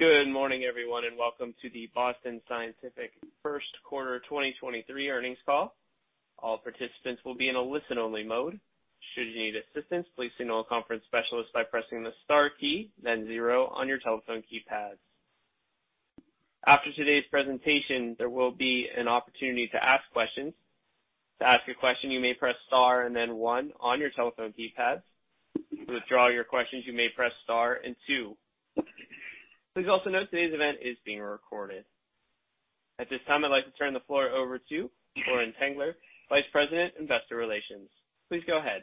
Good morning, everyone. Welcome to the Boston Scientific First Quarter 2023 earnings call. All participants will be in a listen-only mode. Should you need assistance, please signal a conference specialist by pressing the star key, then 0 on your telephone keypads. After today's presentation, there will be an opportunity to ask questions. To ask a question, you may press star and then 1 on your telephone keypads. To withdraw your questions, you may press star and 2. Please also note today's event is being recorded. At this time, I'd like to turn the floor over to Lauren Tengler, Vice President, Investor Relations. Please go ahead.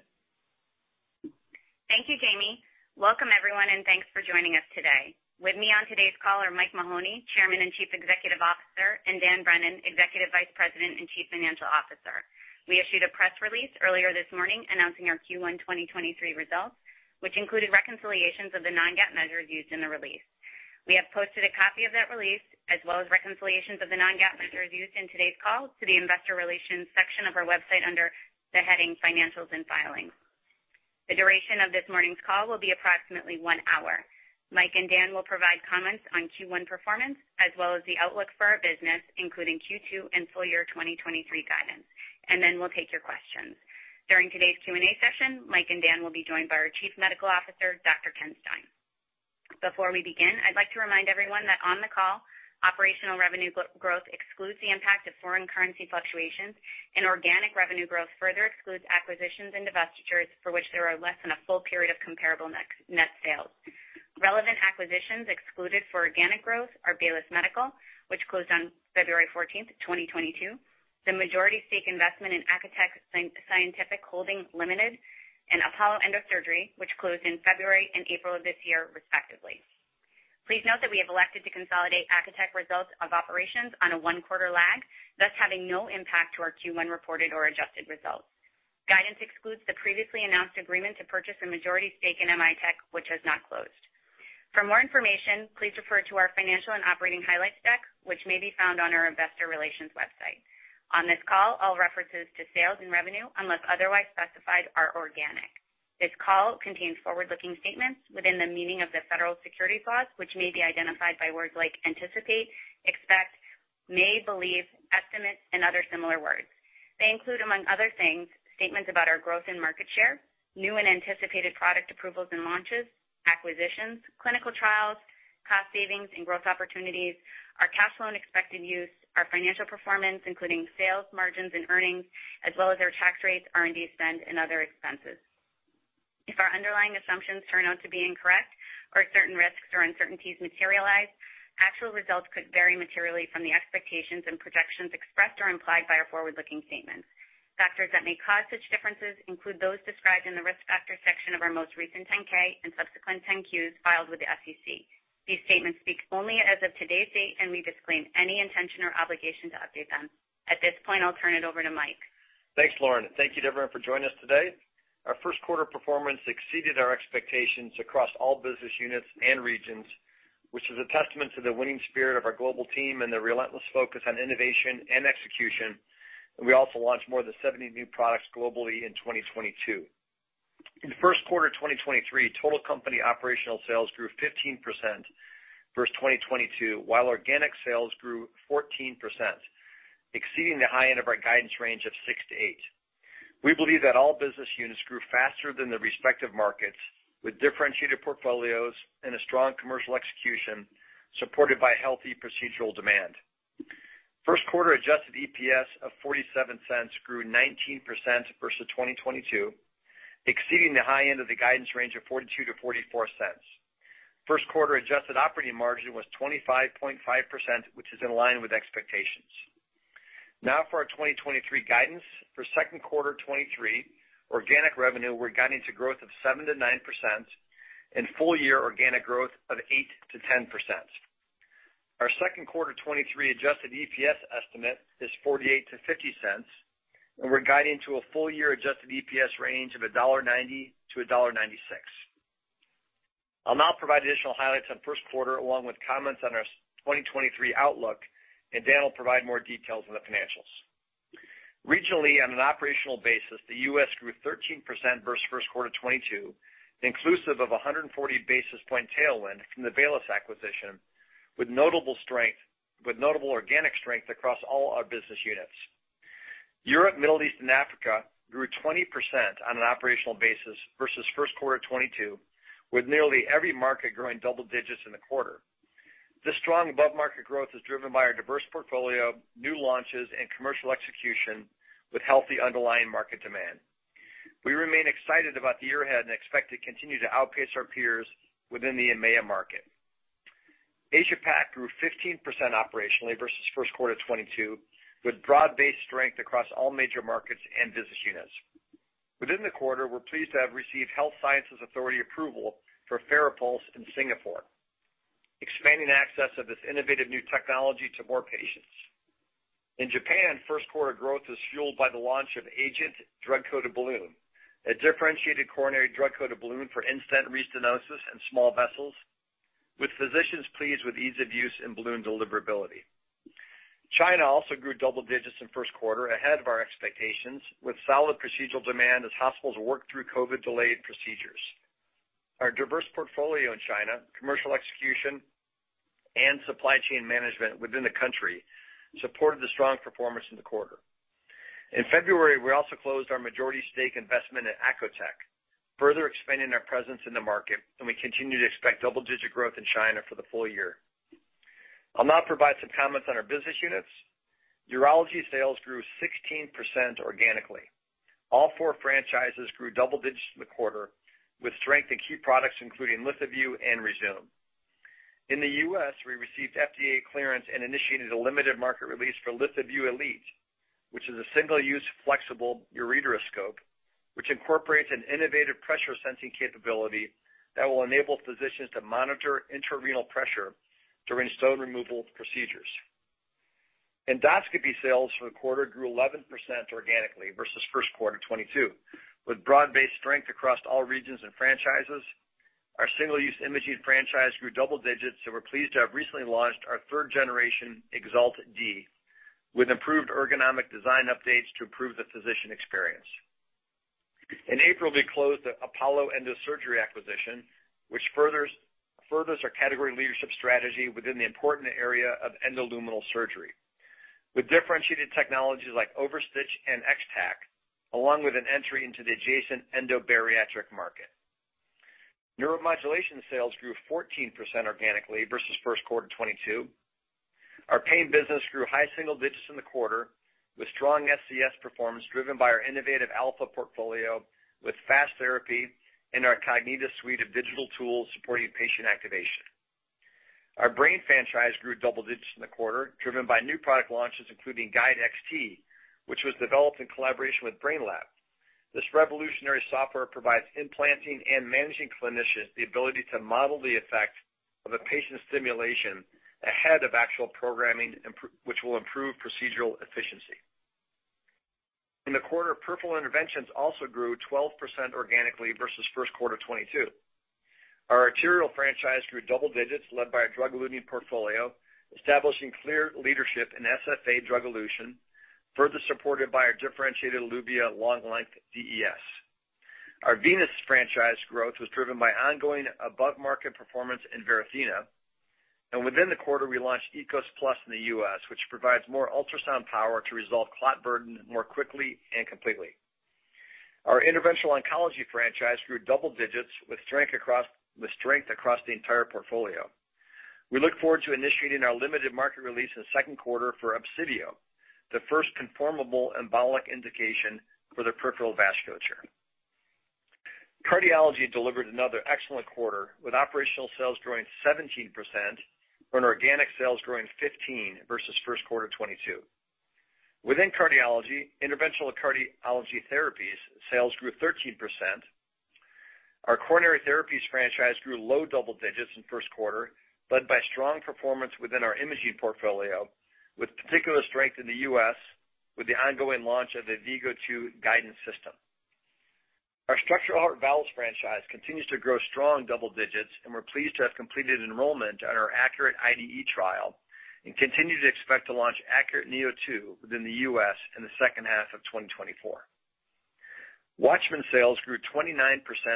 Thank you, Jamie. Welcome, everyone. Thanks for joining us today. With me on today's call are Mike Mahoney, Chairman and Chief Executive Officer, and Dan Brennan, Executive Vice President and Chief Financial Officer. We issued a press release earlier this morning announcing our Q1 2023 results, which included reconciliations of the non-GAAP measures used in the release. We have posted a copy of that release, as well as reconciliations of the non-GAAP measures used in today's call to the investor relations section of our website under the heading Financials and Filings. The duration of this morning's call will be approximately 1 hour. Mike and Dan will provide comments on Q1 performance, as well as the outlook for our business, including Q2 and full year 2023 guidance. Then we'll take your questions. During today's Q&A session, Mike and Dan will be joined by our Chief Medical Officer, Dr. Ken Stein. Before we begin, I'd like to remind everyone that on the call, operational revenue growth excludes the impact of foreign currency fluctuations, and organic revenue growth further excludes acquisitions and divestitures for which there are less than a full period of comparable net sales. Relevant acquisitions excluded for organic growth are Baylis Medical, which closed on February 14, 2022, the majority stake investment in Acotec Scientific Holdings Limited, and Apollo Endosurgery, which closed in February and April of this year, respectively. Please note that we have elected to consolidate Acotec results of operations on a one-quarter lag, thus having no impact to our Q1 reported or adjusted results. Guidance excludes the previously announced agreement to purchase a majority stake in M.I.Tech, which has not closed. For more information, please refer to our financial and operating highlights deck, which may be found on our investor relations website. On this call, all references to sales and revenue, unless otherwise specified, are organic. This call contains forward-looking statements within the meaning of the federal securities laws, which may be identified by words like anticipate, expect, may, believe, estimate, and other similar words. They include, among other things, statements about our growth and market share, new and anticipated product approvals and launches, acquisitions, clinical trials, cost savings and growth opportunities, our cash flow and expected use, our financial performance, including sales, margins, and earnings, as well as our tax rates, R&D spend, and other expenses. If our underlying assumptions turn out to be incorrect or certain risks or uncertainties materialize, actual results could vary materially from the expectations and projections expressed or implied by our forward-looking statements. Factors that may cause such differences include those described in the Risk Factors section of our most recent 10-K and subsequent 10-Qs filed with the SEC. These statements speak only as of today's date, and we disclaim any intention or obligation to update them. At this point, I'll turn it over to Mike. Thanks, Lauren. Thank you to everyone for joining us today. Our first quarter performance exceeded our expectations across all business units and regions, which is a testament to the winning spirit of our global team and their relentless focus on innovation and execution. We also launched more than 70 new products globally in 2022. In the first quarter of 2023, total company operational sales grew 15% versus 2022, while organic sales grew 14%, exceeding the high end of our guidance range of 6%-8%. We believe that all business units grew faster than their respective markets, with differentiated portfolios and a strong commercial execution supported by healthy procedural demand. First quarter adjusted EPS of $0.47 grew 19% versus 2022, exceeding the high end of the guidance range of $0.42-$0.44. First quarter adjusted operating margin was 25.5%, which is in line with expectations. For our 2023 guidance. For second quarter 2023, organic revenue, we're guiding to growth of 7%-9% and full year organic growth of 8%-10%. Our second quarter 2023 adjusted EPS estimate is $0.48-$0.50, we're guiding to a full year adjusted EPS range of $1.90-$1.96. I'll now provide additional highlights on first quarter, along with comments on our 2023 outlook, Dan will provide more details on the financials. Regionally, on an operational basis, the U.S. grew 13% versus first quarter 2022, inclusive of a 140 basis point tailwind from the Baylis acquisition, with notable organic strength across all our business units. Europe, Middle East, and Africa grew 20% on an operational basis versus first quarter 2022, with nearly every market growing double digits in the quarter. This strong above-market growth is driven by our diverse portfolio, new launches, and commercial execution with healthy underlying market demand. We remain excited about the year ahead and expect to continue to outpace our peers within the EMEA market. Asia Pac grew 15% operationally versus first quarter 2022, with broad-based strength across all major markets and business units. Within the quarter, we're pleased to have received Health Sciences Authority approval for FARAPULSE in Singapore, expanding access of this innovative new technology to more patients. In Japan, first quarter growth was fueled by the launch of Agent Drug-Coated Balloon, a differentiated coronary drug-coated balloon for in-stent restenosis in small vessels, with physicians pleased with ease of use and balloon deliverability. China grew double digits in first quarter ahead of our expectations with solid procedural demand as hospitals work through COVID delayed procedures. Our diverse portfolio in China, commercial execution, and supply chain management within the country supported the strong performance in the quarter. In February, we closed our majority stake investment at Acotec, further expanding our presence in the market. We continue to expect double-digit growth in China for the full year. I'll now provide some comments on our business units. Urology sales grew 16% organically. All four franchises grew double digits in the quarter, with strength in key products including LithoVue and Rezūm. In the U.S., we received FDA clearance and initiated a limited market release for LithoVue Elite, which is a single-use flexible ureteroscope, which incorporates an innovative pressure sensing capability that will enable physicians to monitor intrarenal pressure during stone removal procedures. Endoscopy sales for the quarter grew 11% organically versus first quarter 2022, with broad-based strength across all regions and franchises. Our single-use imaging franchise grew double digits. We're pleased to have recently launched our third generation EXALT D with improved ergonomic design updates to improve the physician experience. In April, we closed the Apollo Endosurgery acquisition, which furthers our category leadership strategy within the important area of endoluminal surgery. With differentiated technologies like OverStitch and X-Tack, along with an entry into the adjacent endobariatric market. Neuromodulation sales grew 14% organically versus first quarter 2022. Our pain business grew high single digits in the quarter with strong SCS performance, driven by our innovative Alpha portfolio with FAST therapy and our Cognita suite of digital tools supporting patient activation. Our brain franchise grew double digits in the quarter, driven by new product launches including GUIDE XT, which was developed in collaboration with Brainlab. This revolutionary software provides implanting and managing clinicians the ability to model the effect of a patient's stimulation ahead of actual programming, which will improve procedural efficiency. In the quarter, Peripheral Interventions also grew 12% organically versus first quarter 2022. Our arterial franchise grew double digits led by our drug-eluting portfolio, establishing clear leadership in SFA drug elution, further supported by our differentiated Eluvia long length DES. Our venous franchise growth was driven by ongoing above market performance in Varithena. Within the quarter, we launched EKOS Plus in the U.S., which provides more ultrasound power to resolve clot burden more quickly and completely. Our interventional oncology franchise grew double digits with strength across the entire portfolio. We look forward to initiating our limited market release in the second quarter for Obsidio, the first conformable embolic indication for the peripheral vasculature. Cardiology delivered another excellent quarter, with operational sales growing 17% on organic sales growing 15% versus first quarter 2022. Within cardiology, interventional cardiology therapies sales grew 13%. Our coronary therapies franchise grew low double digits in first quarter, led by strong performance within our imaging portfolio, with particular strength in the U.S. with the ongoing launch of the AVVIGO II guidance system. Our structural heart valves franchise continues to grow strong double digits. We're pleased to have completed enrollment on our ACURATE IDE trial and continue to expect to launch ACURATE neo2 within the U.S. in the second half of 2024. WATCHMAN sales grew 29%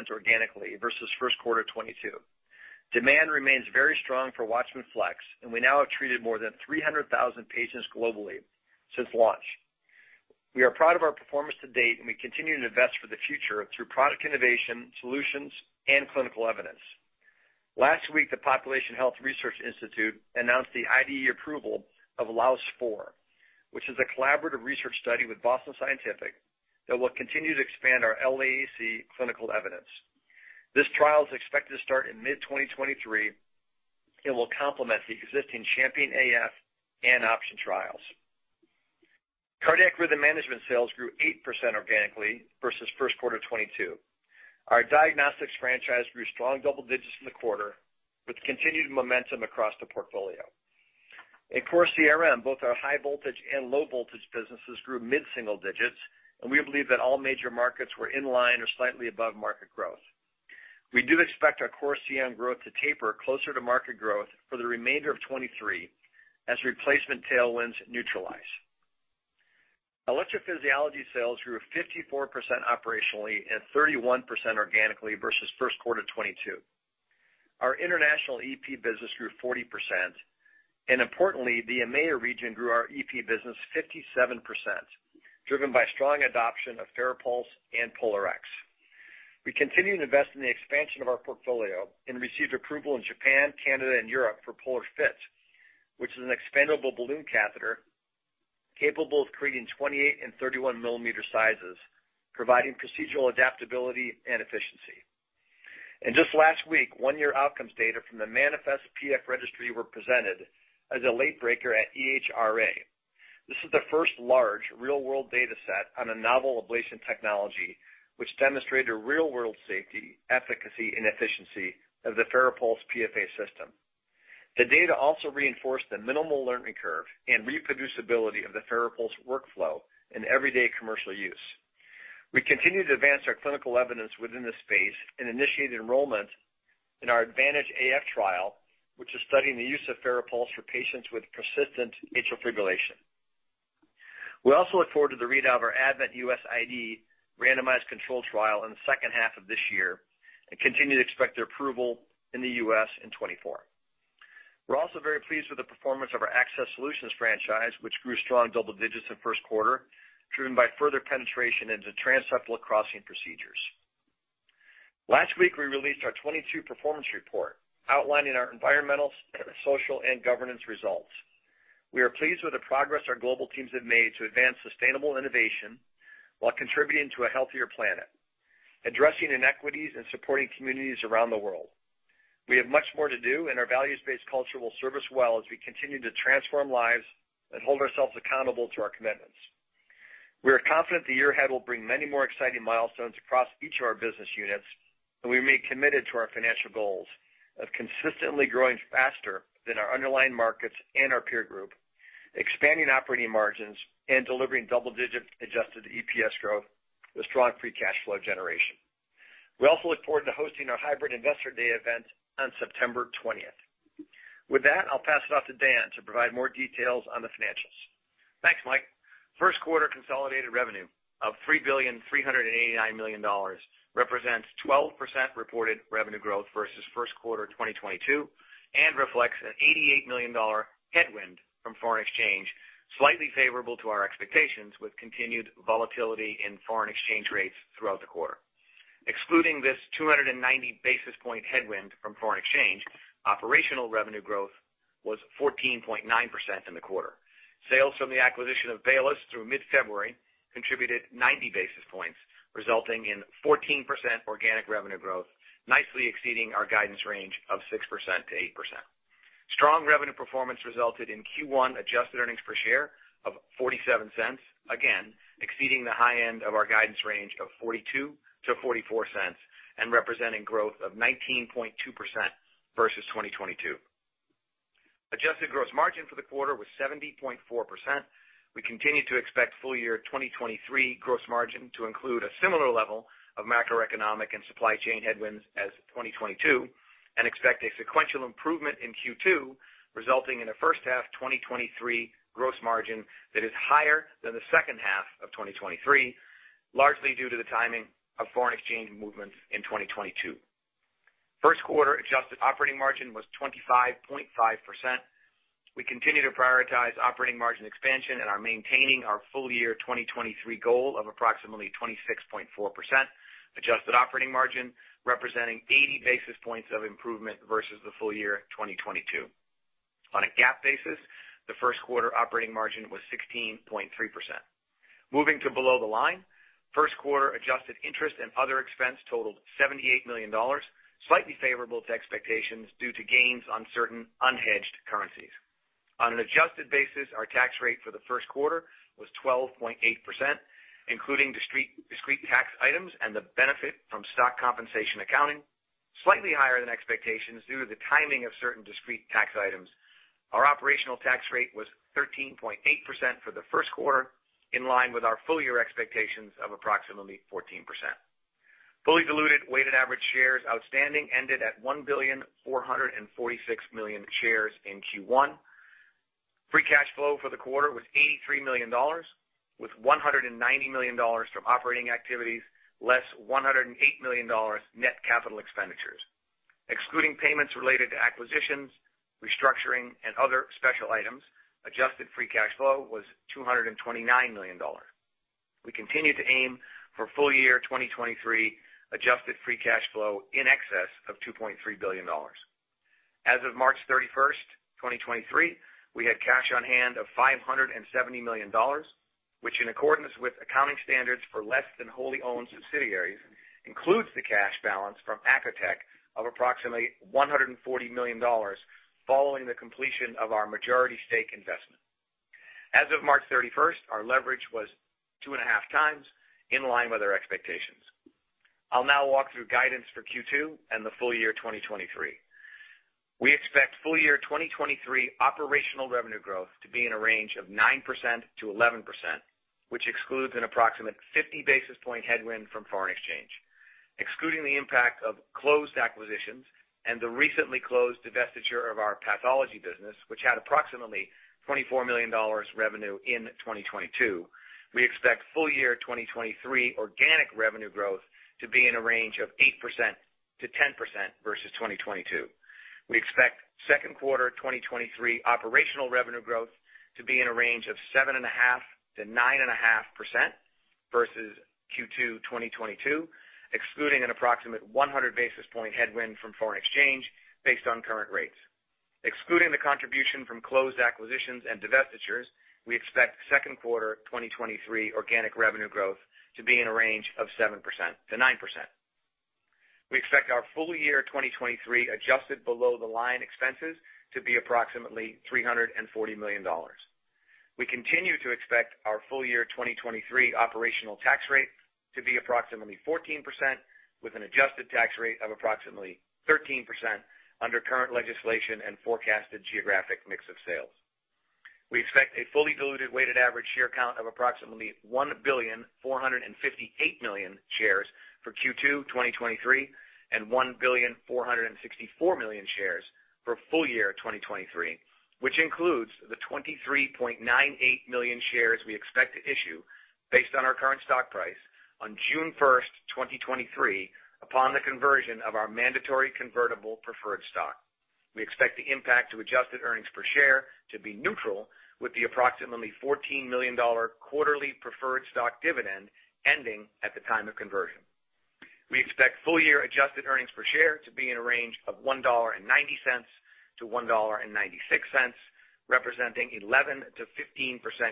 organically versus first quarter 2022. Demand remains very strong for WATCHMAN FLX. We now have treated more than 300,000 patients globally since launch. We are proud of our performance to date. We continue to invest for the future through product innovation, solutions, and clinical evidence. Last week, the Population Health Research Institute announced the IDE approval of LAAOS-4, which is a collaborative research study with Boston Scientific that will continue to expand our LAAC clinical evidence. This trial is expected to start in mid-2023. It will complement the existing CHAMPION-AF and OPTION trials. Cardiac rhythm management sales grew 8% organically versus first quarter 2022. Our diagnostics franchise grew strong double digits in the quarter with continued momentum across the portfolio. In core CRM, both our high voltage and low voltage businesses grew mid-single digits, and we believe that all major markets were in line or slightly above market growth. We do expect our core CRM growth to taper closer to market growth for the remainder of 2023 as replacement tailwinds neutralize. Electrophysiology sales grew 54% operationally and 31% organically versus first quarter 2022. Our international EP business grew 40%, and importantly, the EMEA region grew our EP business 57%, driven by strong adoption of FARAPULSE and POLARx. We continue to invest in the expansion of our portfolio and received approval in Japan, Canada, and Europe for POLARx FIT, which is an expandable balloon catheter capable of creating 28 and 31 millimeter sizes, providing procedural adaptability and efficiency. Just last week, one-year outcomes data from the MANIFEST-PF registry were presented as a late breaker at EHRA. This is the first large real-world data set on a novel ablation technology, which demonstrated real-world safety, efficacy, and efficiency of the FARAPULSE PFA system. The data also reinforced the minimal learning curve and reproducibility of the FARAPULSE workflow in everyday commercial use. We continue to advance our clinical evidence within this space and initiate enrollment in our ADVANTAGE AF trial, which is studying the use of FARAPULSE for patients with persistent atrial fibrillation. We also look forward to the readout of our ADVENT U.S. IDE randomized controlled trial in the second half of this year and continue to expect their approval in the U.S. in 2024. We're also very pleased with the performance of our access solutions franchise, which grew strong double digits in first quarter, driven by further penetration into transseptal crossing procedures. Last week, we released our 2022 performance report outlining our environmental, social, and governance results. We are pleased with the progress our global teams have made to advance sustainable innovation while contributing to a healthier planet, addressing inequities, and supporting communities around the world. We have much more to do. Our values-based culture will serve us well as we continue to transform lives and hold ourselves accountable to our commitments. We are confident the year ahead will bring many more exciting milestones across each of our business units, and we remain committed to our financial goals of consistently growing faster than our underlying markets and our peer group, expanding operating margins, and delivering double-digit adjusted EPS growth with strong free cash flow generation. We also look forward to hosting our hybrid Investor Day event on September 20th. With that, I'll pass it off to Dan to provide more details on the financials. Thanks, Mike. First quarter consolidated revenue of $3,389 million represents 12% reported revenue growth versus First quarter 2022 and reflects an $88 million headwind from foreign exchange, slightly favorable to our expectations, with continued volatility in foreign exchange rates throughout the quarter. Excluding this 290 basis point headwind from foreign exchange, operational revenue growth was 14.9% in the quarter. Sales from the acquisition of Baylis through mid-February contributed 90 basis points, resulting in 14% organic revenue growth, nicely exceeding our guidance range of 6%-8%. Strong revenue performance resulted in Q1 adjusted earnings per share of $0.47, again exceeding the high end of our guidance range of $0.42-$0.44 and representing growth of 19.2% versus 2022. Adjusted gross margin for the quarter was 70.4%. We continue to expect full year 2023 gross margin to include a similar level of macroeconomic and supply chain headwinds as 2022 and expect a sequential improvement in Q2, resulting in a first half 2023 gross margin that is higher than the second half of 2023, largely due to the timing of foreign exchange movements in 2022. First quarter adjusted operating margin was 25.5%. We continue to prioritize operating margin expansion and are maintaining our full year 2023 goal of approximately 26.4% adjusted operating margin, representing 80 basis points of improvement versus the full year 2022. On a GAAP basis, the first quarter operating margin was 16.3%. Moving to below the line, first quarter adjusted interest and other expense totaled $78 million, slightly favorable to expectations due to gains on certain unhedged currencies. On an adjusted basis, our tax rate for the first quarter was 12.8%, including discrete tax items and the benefit from stock compensation accounting, slightly higher than expectations due to the timing of certain discrete tax items. Our operational tax rate was 13.8% for the first quarter, in line with our full year expectations of approximately 14%. Fully diluted weighted average shares outstanding ended at 1,446 million shares in Q1. Free cash flow for the quarter was $83 million, with $190 million from operating activities, less $108 million net capital expenditures. Excluding payments related to acquisitions, restructuring, and other special items, adjusted free cash flow was $229 million. We continue to aim for full year 2023 adjusted free cash flow in excess of $2.3 billion. As of March 31st, 2023, we had cash on hand of $570 million, which, in accordance with accounting standards for less than wholly owned subsidiaries, includes the cash balance from Acotec of approximately $140 million following the completion of our majority stake investment. As of March 31st, our leverage was 2.5 times in line with our expectations. I'll now walk through guidance for Q2 and the full year 2023. We expect full year 2023 operational revenue growth to be in a range of 9%-11%, which excludes an approximate 50 basis point headwind from foreign exchange. Excluding the impact of closed acquisitions and the recently closed divestiture of our pathology business, which had approximately $24 million revenue in 2022, we expect full year 2023 organic revenue growth to be in a range of 8%-10% versus 2022. We expect second quarter 2023 operational revenue growth to be in a range of 7.5%-9.5% versus Q2 2022, excluding an approximate 100 basis point headwind from foreign exchange based on current rates. Excluding the contribution from closed acquisitions and divestitures, we expect second quarter 2023 organic revenue growth to be in a range of 7%-9%. We expect our full year 2023 adjusted below-the-line expenses to be approximately $340 million. We continue to expect our full year 2023 operational tax rate to be approximately 14%, with an adjusted tax rate of approximately 13% under current legislation and forecasted geographic mix of sales. We expect a fully diluted weighted average share count of approximately 1.458 billion shares for Q2 2023, and 1.464 billion shares for full year 2023, which includes the 23.98 million shares we expect to issue based on our current stock price on June first, 2023, upon the conversion of our mandatory convertible preferred stock. We expect the impact to adjusted earnings per share to be neutral with the approximately $14 million quarterly preferred stock dividend ending at the time of conversion. We expect full year adjusted earnings per share to be in a range of $1.90-$1.96, representing 11%-15%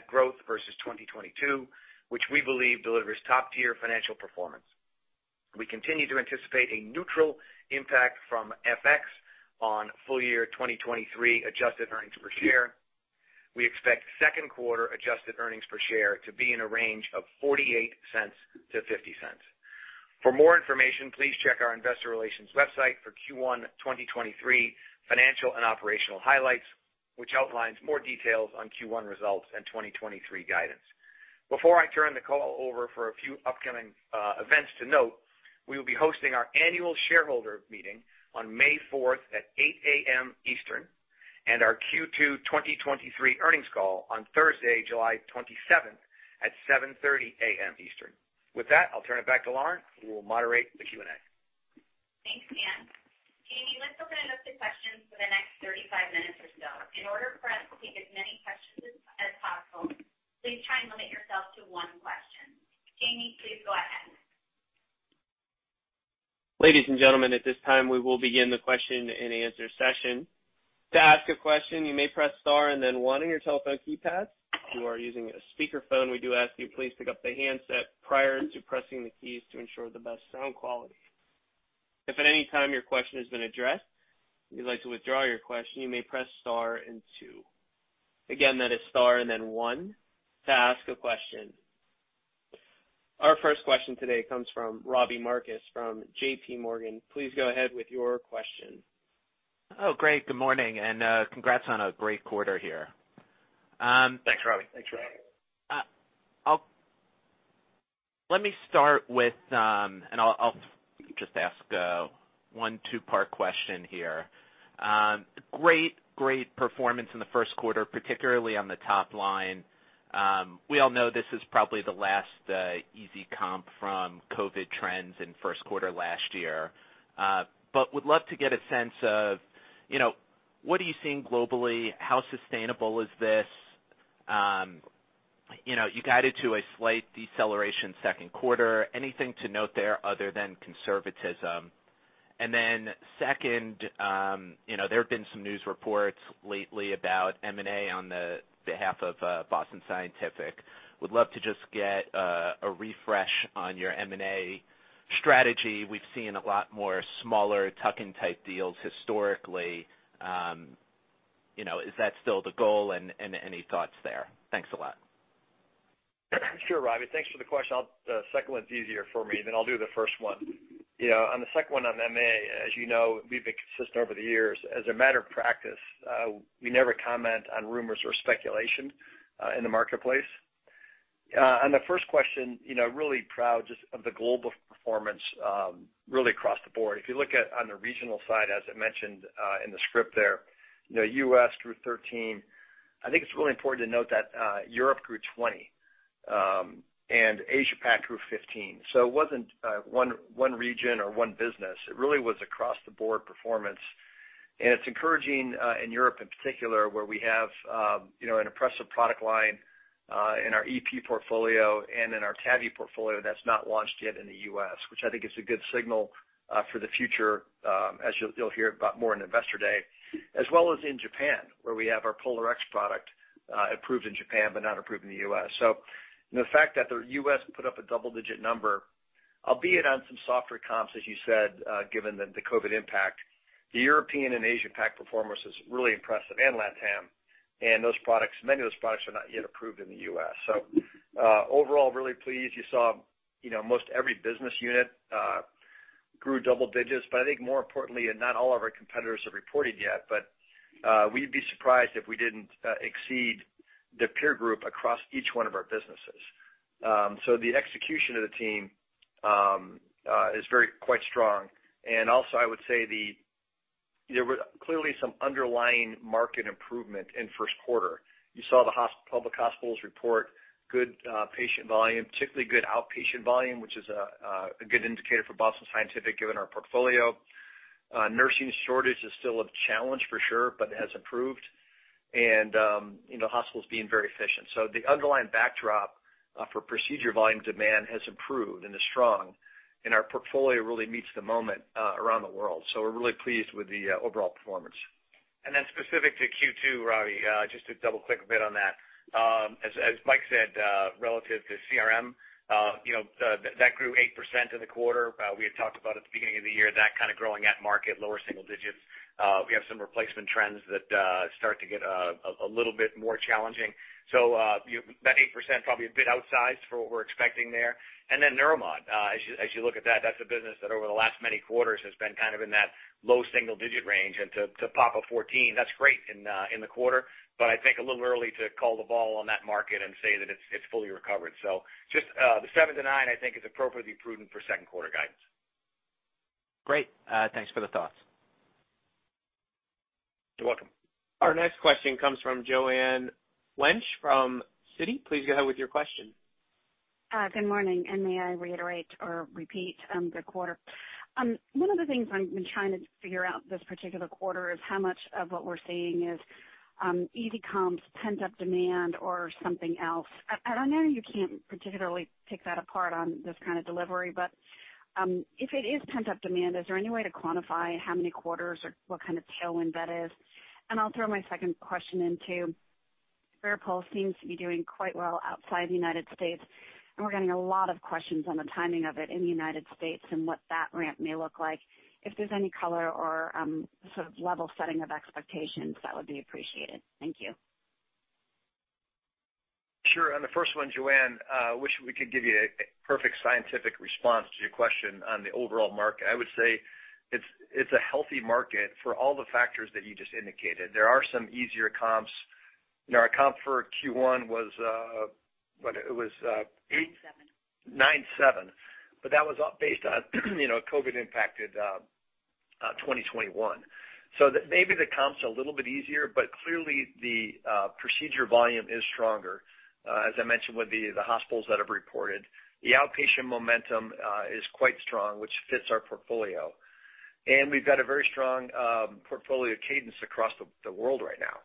growth versus 2022, which we believe delivers top tier financial performance. We continue to anticipate a neutral impact from FX on full year 2023 adjusted earnings per share. We expect second quarter adjusted earnings per share to be in a range of $0.48-$0.50. For more information, please check our investor relations website for Q1 2023 financial and operational highlights, which outlines more details on Q1 results and 2023 guidance. Before I turn the call over for a few upcoming events to note, we will be hosting our annual shareholder meeting on May fourth at 8:00 A.M. Eastern, and our Q2 2023 earnings call on Thursday, July twenty-seventh at 7:30 A.M. Eastern. With that, I'll turn it back to Lauren, who will moderate the Q&A. Thanks, Dan. Jamie, let's open it up to questions for the next 35 minutes or so. In order for us to take as many questions as possible, please try and limit yourself to one question. Jamie, please go ahead. Ladies and gentlemen, at this time we will begin the question-and-answer session. To ask a question, you may press star and then 1 on your telephone keypad. If you are using a speaker phone, we do ask you please pick up the handset prior to pressing the keys to ensure the best sound quality. If at any time your question has been addressed and you'd like to withdraw your question, you may press star and 2. Again, that is star and then 1 to ask a question. Our first question today comes from Robbie Marcus from JPMorgan. Please go ahead with your question. Oh, great. Good morning and congrats on a great quarter here. Thanks, Robbie. Thanks, Robbie. Let me start with, and I'll just ask one two-part question here. Great, great performance in the first quarter, particularly on the top line. We all know this is probably the last easy comp from COVID trends in first quarter last year. Would love to get a sense of, you know, what are you seeing globally? How sustainable is this? You know, you guided to a slight deceleration second quarter. Anything to note there other than conservatism? Second, you know, there have been some news reports lately about M&A on the behalf of Boston Scientific. Would love to just get a refresh on your M&A strategy. We've seen a lot more smaller tuck-in type deals historically. You know, is that still the goal and any thoughts there? Thanks a lot. Sure, Robbie. Thanks for the question. I'll second one's easier for me. I'll do the first one. You know, on the second one on M&A, as you know, we've been consistent over the years. As a matter of practice, we never comment on rumors or speculation in the marketplace. On the first question, you know, really proud just of the global performance, really across the board. If you look at on the regional side, as I mentioned, in the script there, you know, US grew 13%. I think it's really important to note that Europe grew 20%. Asia Pac grew 15%. It wasn't one region or one business. It really was across the board performance. It's encouraging in Europe in particular, where we have an impressive product line in our EP portfolio and in our TAVR portfolio that's not launched yet in the U.S., which I think is a good signal for the future, as you'll hear about more in Investor Day. As well as in Japan, where we have our POLARx product approved in Japan but not approved in the U.S. The fact that the U.S. put up a double-digit number, albeit on some softer comps, as you said, given the COVID impact, the European and Asia Pac performance is really impressive, and LATAM. Those products, many of those products are not yet approved in the U.S. Overall, really pleased. You saw most every business unit grew double digits. I think more importantly, and not all of our competitors have reported yet, but we'd be surprised if we didn't exceed the peer group across each one of our businesses. The execution of the team is very quite strong. Also I would say there were clearly some underlying market improvement in first quarter. You saw public hospitals report good patient volume, particularly good outpatient volume, which is a good indicator for Boston Scientific, given our portfolio. Nursing shortage is still a challenge for sure, but has improved. You know, hospitals being very efficient. The underlying backdrop for procedure volume demand has improved and is strong, and our portfolio really meets the moment around the world. We're really pleased with the overall performance. Specific to Q2, Robbie, just to double click a bit on that. As Mike said, relative to CRM, you know, that grew 8% in the quarter. We had talked about at the beginning of the year that kind of growing at market, lower single digits. We have some replacement trends that start to get a little bit more challenging. That 8% probably a bit outsized for what we're expecting there. Neuromod, as you look at that's a business that over the last many quarters has been kind of in that low single digit range. To pop a 14, that's great in the quarter, but I think a little early to call the ball on that market and say that it's fully recovered. Just the 7% to 9%, I think is appropriately prudent for second quarter guidance. Great. thanks for the thoughts. You're welcome. Our next question comes from Joanne Wuensch from Citi. Please go ahead with your question. Good morning, and may I reiterate or repeat, good quarter. One of the things I've been trying to figure out this particular quarter is how much of what we're seeing is easy comps, pent-up demand or something else. I know you can't particularly pick that apart on this kind of delivery, but, if it is pent-up demand, is there any way to quantify how many quarters or what kind of tailwind that is? I'll throw my second question in, too. FARAPULSE seems to be doing quite well outside the United States, and we're getting a lot of questions on the timing of it in the United States and what that ramp may look like. If there's any color or sort of level setting of expectations, that would be appreciated. Thank you. Sure. On the first one, Joanne, wish we could give you a perfect scientific response to your question on the overall market. I would say it's a healthy market for all the factors that you just indicated. There are some easier comps. You know, our comp for Q1 was what? 97. 97. That was, based on, you know, a COVID impacted, 2021. maybe the comp's a little bit easier, but clearly the procedure volume is stronger, as I mentioned with the hospitals that have reported. The outpatient momentum is quite strong, which fits our portfolio. We've got a very strong portfolio cadence across the world right now.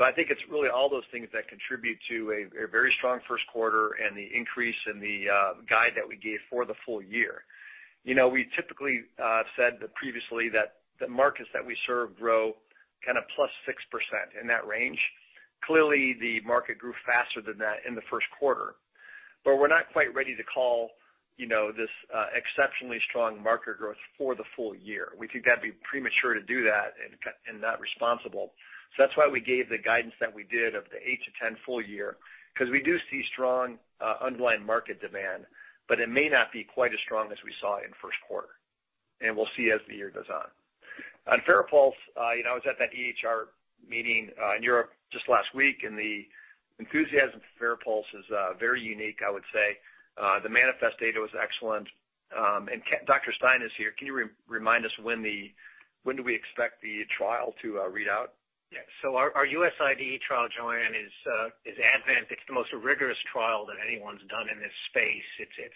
I think it's really all those things that contribute to a very strong first quarter and the increase in the guide that we gave for the full year. You know, we typically said previously that the markets that we serve grow kind of +6%, in that range. Clearly, the market grew faster than that in the first quarter. We're not quite ready to call, you know, this exceptionally strong market growth for the full year. We think that'd be premature to do that and not responsible. That's why we gave the guidance that we did of the 8-10 full year, because we do see strong underlying market demand, but it may not be quite as strong as we saw in first quarter, and we'll see as the year goes on. On FARAPULSE, you know, I was at that EHRA meeting in Europe just last week, and the enthusiasm for FARAPULSE is very unique, I would say. The MANIFEST-PF data was excellent. Dr. Stein is here. Can you remind us when do we expect the trial to read out? Our US IDE trial, Joanne, is ADVENT. It's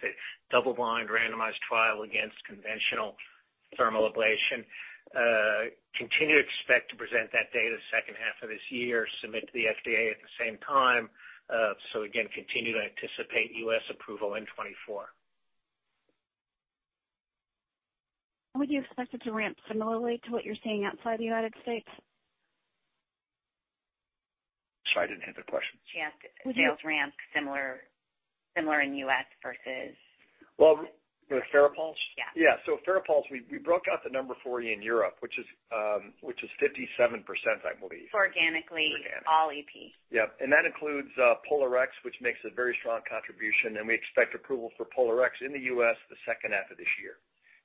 a double blind randomized trial against conventional thermal ablation. Continue to expect to present that data second half of this year, submit to the FDA at the same time. Again, continue to anticipate US approval in 2024. Would you expect it to ramp similarly to what you're seeing outside the United States? Sorry, I didn't hear the question. She asked if sales ramp similar in U.S. Well, with FARAPULSE? Yeah. Yeah. FARAPULSE, we broke out the number for you in Europe, which is 57%, I believe. For organically- Organic. all EP. Yeah. That includes PolarX, which makes a very strong contribution. We expect approval for PolarX in the U.S. the second half of this year.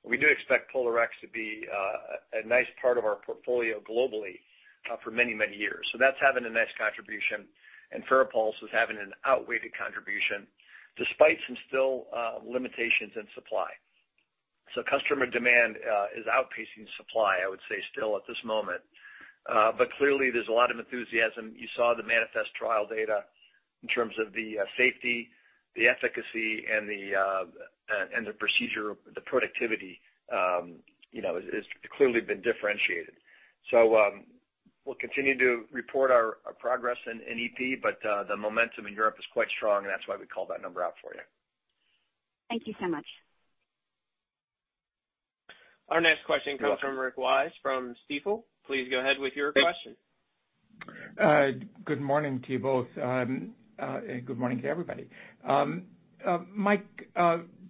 We do expect PolarX to be a nice part of our portfolio globally for many, many years. That's having a nice contribution, and FARAPULSE is having an outweighed contribution despite some still limitations in supply. Customer demand is outpacing supply, I would say still at this moment. Clearly there's a lot of enthusiasm. You saw the MANIFEST trial data in terms of the safety, the efficacy, and the procedure, the productivity, you know, is clearly been differentiated. We'll continue to report our progress in EP, but the momentum in Europe is quite strong, and that's why we called that number out for you. Thank you so much. Our next question comes from Rick Wise from Stifel. Please go ahead with your question. Thanks. Good morning to you both. Good morning to everybody. Mike,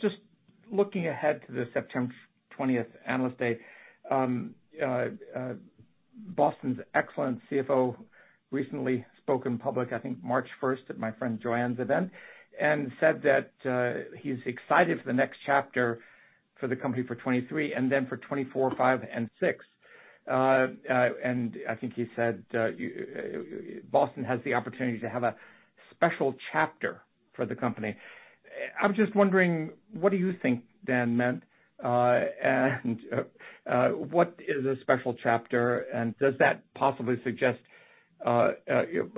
just looking ahead to the September 20th analyst day, Boston's excellent CFO recently spoke in public, I think March 1st, at my friend Joanne's event, and said that he's excited for the next chapter for the company for 2023 and then for 2024, 2025 and 2026. I think he said Boston has the opportunity to have a special chapter for the company. I'm just wondering, what do you think Dan meant? What is a special chapter? Does that possibly suggest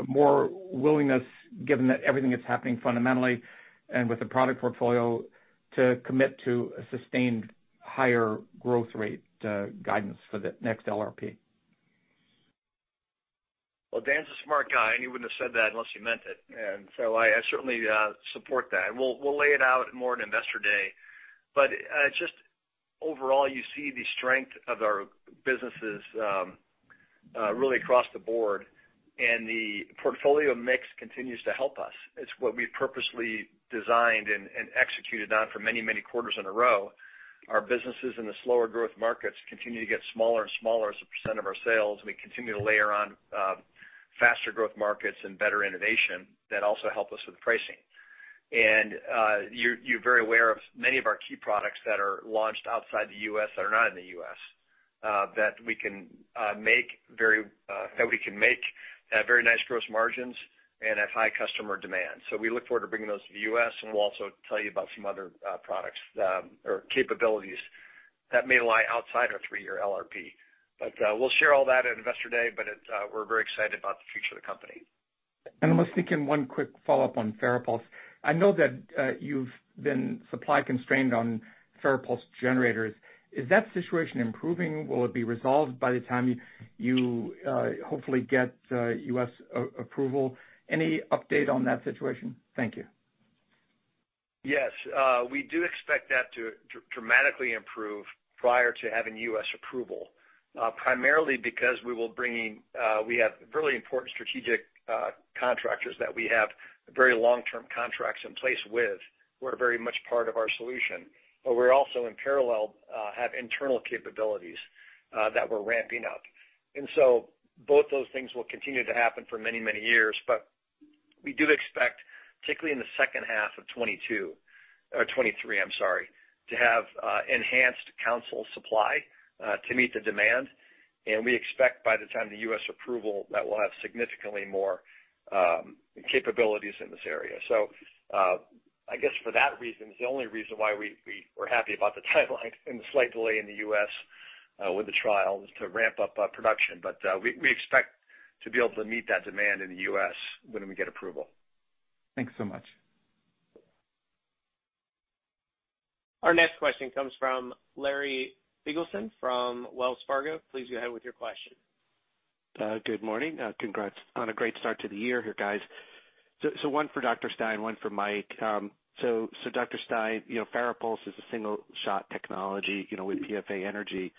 more willingness given that everything is happening fundamentally and with the product portfolio to commit to a sustained higher growth rate, guidance for the next LRP? Well, Dan's a smart guy, and he wouldn't have said that unless he meant it. I certainly support that. We'll lay it out more at investor day. Just overall, you see the strength of our businesses really across the board and the portfolio mix continues to help us. It's what we purposely designed and executed on for many, many quarters in a row. Our businesses in the slower growth markets continue to get smaller and smaller as a % of our sales. We continue to layer on faster growth markets and better innovation that also help us with pricing. You're very aware of many of our key products that are launched outside the U.S. that are not in the U.S. that we can make at very nice gross margins and at high customer demand. We look forward to bringing those to the U.S., and we'll also tell you about some other products or capabilities that may lie outside our three-year LRP. We'll share all that at Investor Day, but we're very excited about the future of the company. I'm listening in one quick follow-up on FARAPULSE. I know that, you've been supply constrained on FARAPULSE generators. Is that situation improving? Will it be resolved by the time you, hopefully get, U.S. approval? Any update on that situation? Thank you. Yes. We do expect that to dramatically improve prior to having U.S. approval, primarily because we will bring in. We have really important strategic contractors that we have very long-term contracts in place with, who are very much part of our solution. We're also in parallel, have internal capabilities that we're ramping up. Both those things will continue to happen for many, many years. We do expect, particularly in the second half of 2023, I'm sorry, to have enhanced council supply to meet the demand. We expect by the time the U.S. approval that we'll have significantly more capabilities in this area. I guess for that reason, it's the only reason why we're happy about the timeline and the slight delay in the U.S. with the trial is to ramp up production. We expect to be able to meet that demand in the U.S. when we get approval. Thanks so much. Our next question comes from Larry Biegelsen from Wells Fargo. Please go ahead with your question. Good morning. Congrats on a great start to the year here, guys. One for Dr. Stein, one for Mike. Dr. Stein, you know, FARAPULSE is a single-shot technology, you know, with PFA energy,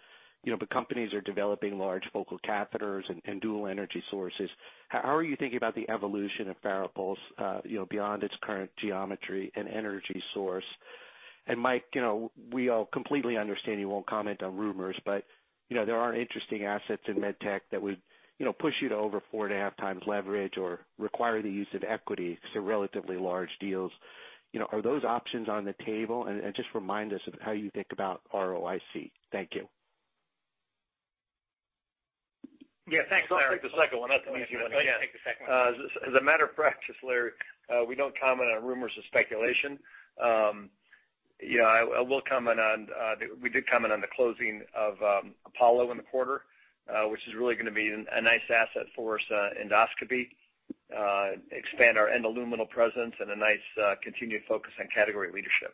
you know, but companies are developing large focal catheters and dual energy sources. How are you thinking about the evolution of FARAPULSE, you know, beyond its current geometry and energy source? Mike, you know, we all completely understand you won't comment on rumors, but, you know, there are interesting assets in medtech that would, you know, push you to over 4.5 times leverage or require the use of equity because they're relatively large deals, you know. Are those options on the table? Just remind us of how you think about ROIC. Thank you. Yeah. Thanks, Larry. I'll take the second one. That's an easy one. Yeah. Take the second one. As a matter of practice, Larry, we don't comment on rumors of speculation. You know, I will comment on, we did comment on the closing of Apollo in the quarter, which is really gonna be a nice asset for us, endoscopy, expand our endoluminal presence and a nice, continued focus on category leadership.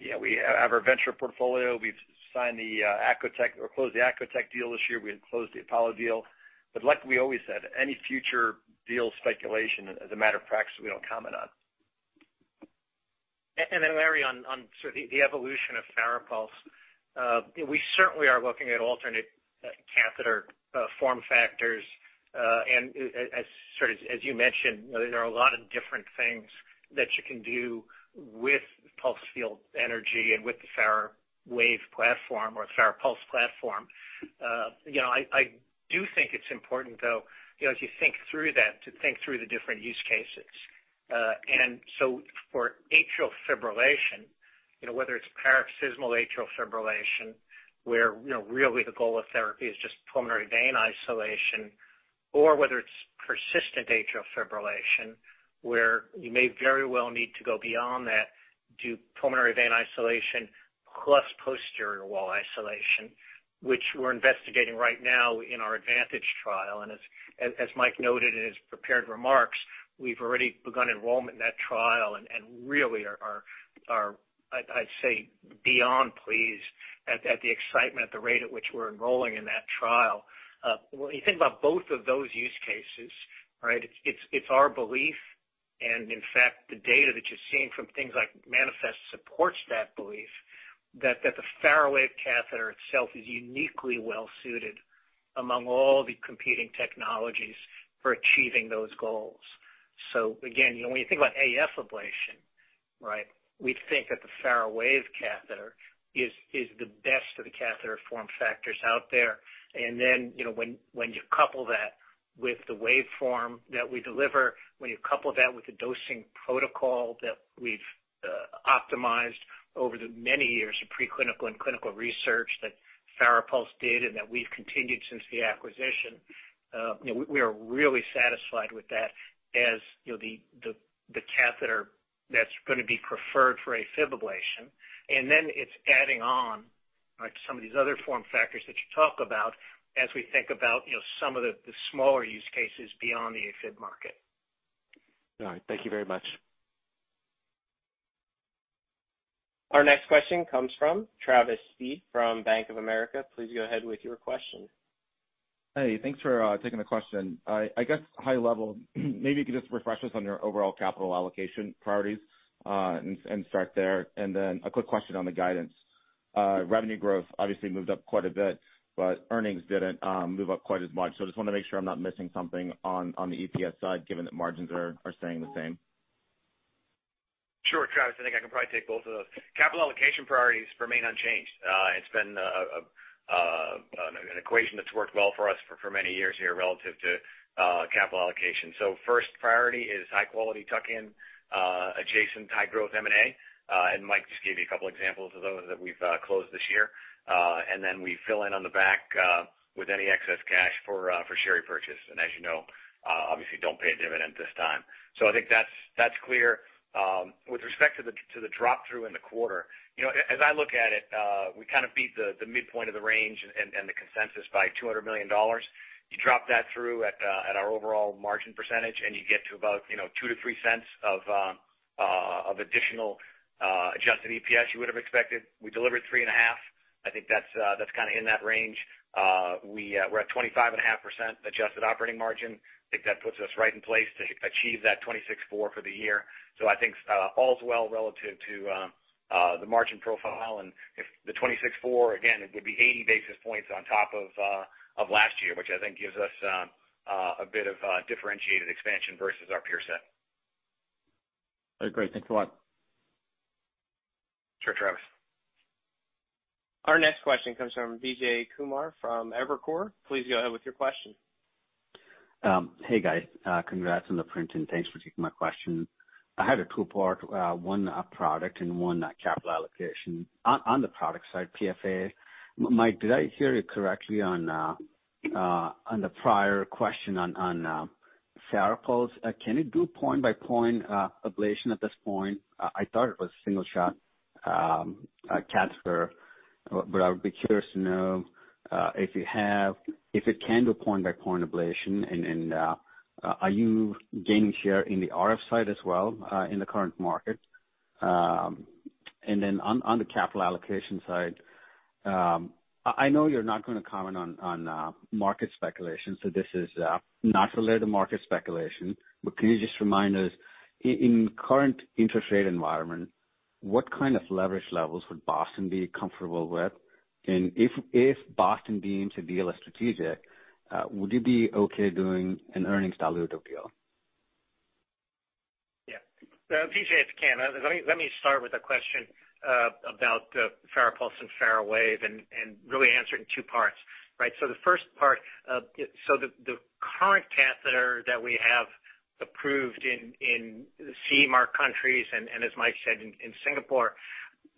Yeah, we have our venture portfolio. We've signed the Acotec or closed the Acotec deal this year. We had closed the Apollo deal. Like we always said, any future deal speculation as a matter of practice, we don't comment on. Then Larry, on sort of the evolution of FARAPULSE. We certainly are looking at alternate, catheter, form factors. As sort of as you mentioned, you know, there are a lot of different things that you can do with pulse field energy and with the FARAWAVE platform or FARAPULSE platform. You know, I do think it's important though, you know, as you think through that, to think through the different use cases. For atrial fibrillation, you know, whether it's paroxysmal atrial fibrillation, where, you know, really the goal of therapy is just pulmonary vein isolation, or whether it's persistent atrial fibrillation, where you may very well need to go beyond that, do pulmonary vein isolation plus posterior wall isolation, which we're investigating right now in our ADVANTAGE trial. As Mike noted in his prepared remarks, we've already begun enrollment in that trial and really are, I'd say, beyond pleased at the excitement, the rate at which we're enrolling in that trial. When you think about both of those use cases, right, it's our belief, and in fact, the data that you're seeing from things like MANIFEST supports that belief that the FARAWAVE catheter itself is uniquely well suited among all the competing technologies for achieving those goals. Again, you know, when you think about AF ablation, right, we think that the FARAWAVE catheter is the best of the catheter form factors out there. You know, when you couple that with the waveform that we deliver, when you couple that with the dosing protocol that we've optimized over the many years of preclinical and clinical research that FARAPULSE did and that we've continued since the acquisition, you know, we are really satisfied with that as, you know, the catheter that's gonna be preferred for AFib ablation. It's adding on, right, to some of these other form factors that you talk about as we think about, you know, some of the smaller use cases beyond the AFib market. All right. Thank you very much. Our next question comes from Travis Steed from Bank of America. Please go ahead with your question. Hey. Thanks for taking the question. I guess high level, maybe you could just refresh us on your overall capital allocation priorities, and start there. Then a quick question on the guidance. Revenue growth obviously moved up quite a bit, but earnings didn't move up quite as much. I just wanna make sure I'm not missing something on the EPS side, given that margins are staying the same. Sure, Travis. I think I can probably take both of those. Capital allocation priorities remain unchanged. It's been an equation that's worked well for us for many years here relative to capital allocation. First priority is high quality tuck in adjacent high growth M&A. Mike just gave you a couple examples of those that we've closed this year. Then we fill in on the back with any excess cash for share repurchase. As you know, obviously don't pay a dividend at this time. I think that's clear. With respect to the drop through in the quarter. You know, as I look at it, we kind of beat the midpoint of the range and the consensus by $200 million. You drop that through at at our overall margin percentage, you get to about, you know, $0.02-$0.03 of of additional adjusted EPS you would have expected. We delivered $0.035. I think that's that's kinda in that range. We we're at 25.5% adjusted operating margin. I think that puts us right in place to achieve that 26.4% for the year. I think all's well relative to the margin profile. If the 26.4%, again, it would be 80 basis points on top of of last year, which I think gives us a bit of a differentiated expansion versus our peer set. All right, great. Thanks a lot. Sure, Travis. Our next question comes from Vijay Kumar from Evercore. Please go ahead with your question. Hey, guys. Congrats on the print, thanks for taking my question. I had a two-part, one on product and one on capital allocation. On the product side, PFA. Mike, did I hear it correctly on the prior question on FARAPULSE? Can you do point-by-point ablation at this point? I thought it was single shot catheter. I would be curious to know if it can do point-by-point ablation and are you gaining share in the RF side as well in the current market? On the capital allocation side, I know you're not gonna comment on market speculation, so this is not related to market speculation. Can you just remind us in current interest rate environment, what kind of leverage levels would Boston be comfortable with? If Boston were to be into deal a strategic, would you be okay doing an earnings dilutive deal? Yeah. Vijay, it's Ken. Let me start with a question about FARAPULSE and FARAWAVE and really answer it in two parts. Right. The first part, the current catheter that we have approved in the CE Mark countries, and as Mike said, in Singapore,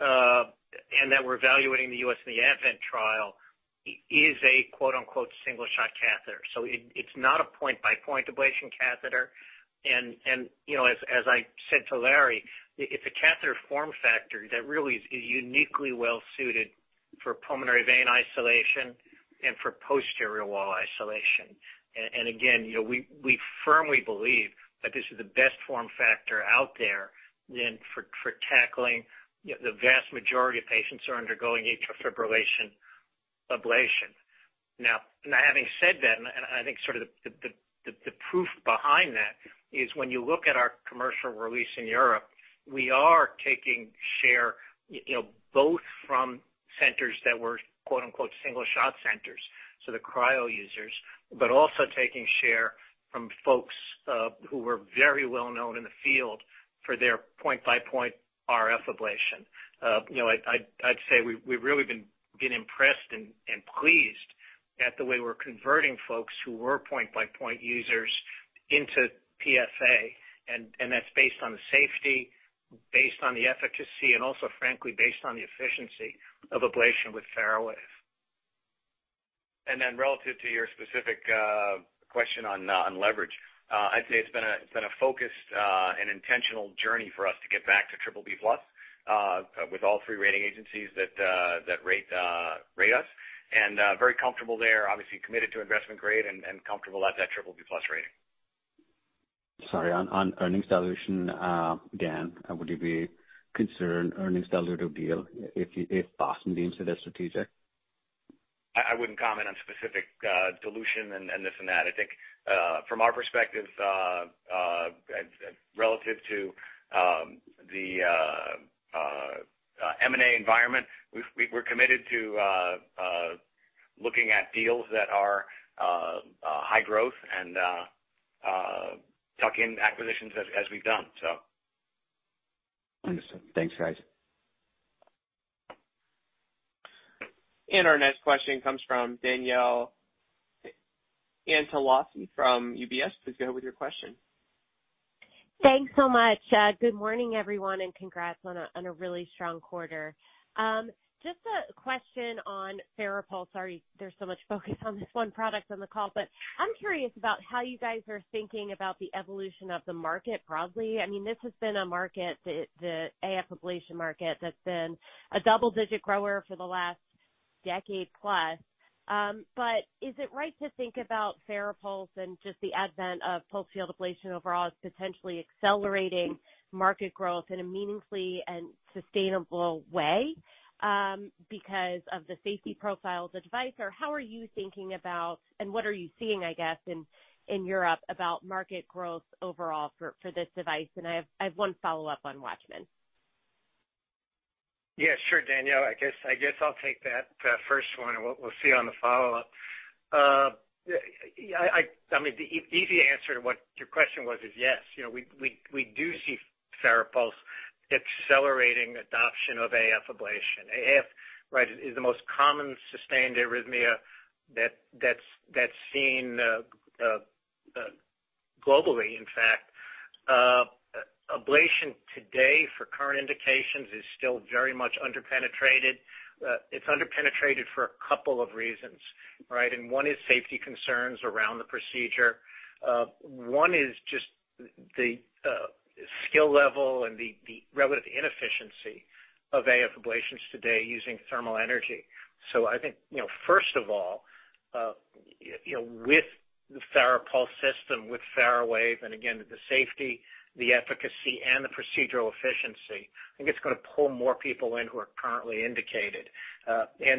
and that we're evaluating in the U.S. in the ADVENT trial is a quote, unquote, "single shot catheter." It's not a point-by-point ablation catheter. And you know, as I said to Larry, it's a catheter form factor that really is uniquely well suited for pulmonary vein isolation and for posterior wall isolation. And again, you know, we firmly believe that this is the best form factor out there for tackling the vast majority of patients who are undergoing atrial fibrillation ablation. Having said that, and I think sort of the, the proof behind that is when you look at our commercial release in Europe, we are taking share, you know, both from centers that were, quote, unquote, "single shot centers," so the cryo users, but also taking share from folks who were very well known in the field for their point-by-point RF ablation. You know, I'd say we've really been impressed and pleased at the way we're converting folks who were point-by-point users into PFA, and that's based on the safety, based on the efficacy and also frankly based on the efficiency of ablation with FARAWAVE. Relative to your specific question on on leverage, I'd say it's been a focused and intentional journey for us to get back to triple B plus with all three rating agencies that rate us. Very comfortable there, obviously committed to investment grade and comfortable at that triple B plus rating. Sorry. On earnings dilution, Dan, would you be concerned earnings dilutive deal if Boston deems it as strategic? I wouldn't comment on specific dilution and this and that. I think from our perspective relative to the M&A environment, we're committed to looking at deals that are high growth and tuck in acquisitions as we've done, so. Understood. Thanks, guys. Our next question comes from Danielle Antalffy from UBS. Please go with your question. Thanks so much. Good morning, everyone, and congrats on a, on a really strong quarter. Just a question on FARAPULSE. Sorry, there's so much focus on this one product on the call, but I'm curious about how you guys are thinking about the evolution of the market broadly. I mean, this has been a market, the AF ablation market, that's been a double-digit grower for the last decade plus. Is it right to think about FARAPULSE and just the advent of pulsed field ablation overall as potentially accelerating market growth in a meaningfully and sustainable way because of the safety profile of the device? How are you thinking about and what are you seeing, I guess, in Europe about market growth overall for this device? I have, I have one follow-up on WATCHMAN. Yeah, sure, Danielle, I guess I'll take that first one, and we'll see on the follow-up. I mean, the easy answer to what your question was is yes. You know, we do see FARAPULSE accelerating adoption of AF ablation. AF, right, is the most common sustained arrhythmia that's seen globally, in fact. Ablation today for current indications is still very much under-penetrated. It's under-penetrated for a couple of reasons, right? One is safety concerns around the procedure. One is just the skill level and the relative inefficiency of AF ablations today using thermal energy. I think, you know, first of all, you know, with the FARAPULSE system, with FARAWAVE, and again, the safety, the efficacy, and the procedural efficiency, I think it's gonna pull more people in who are currently indicated. You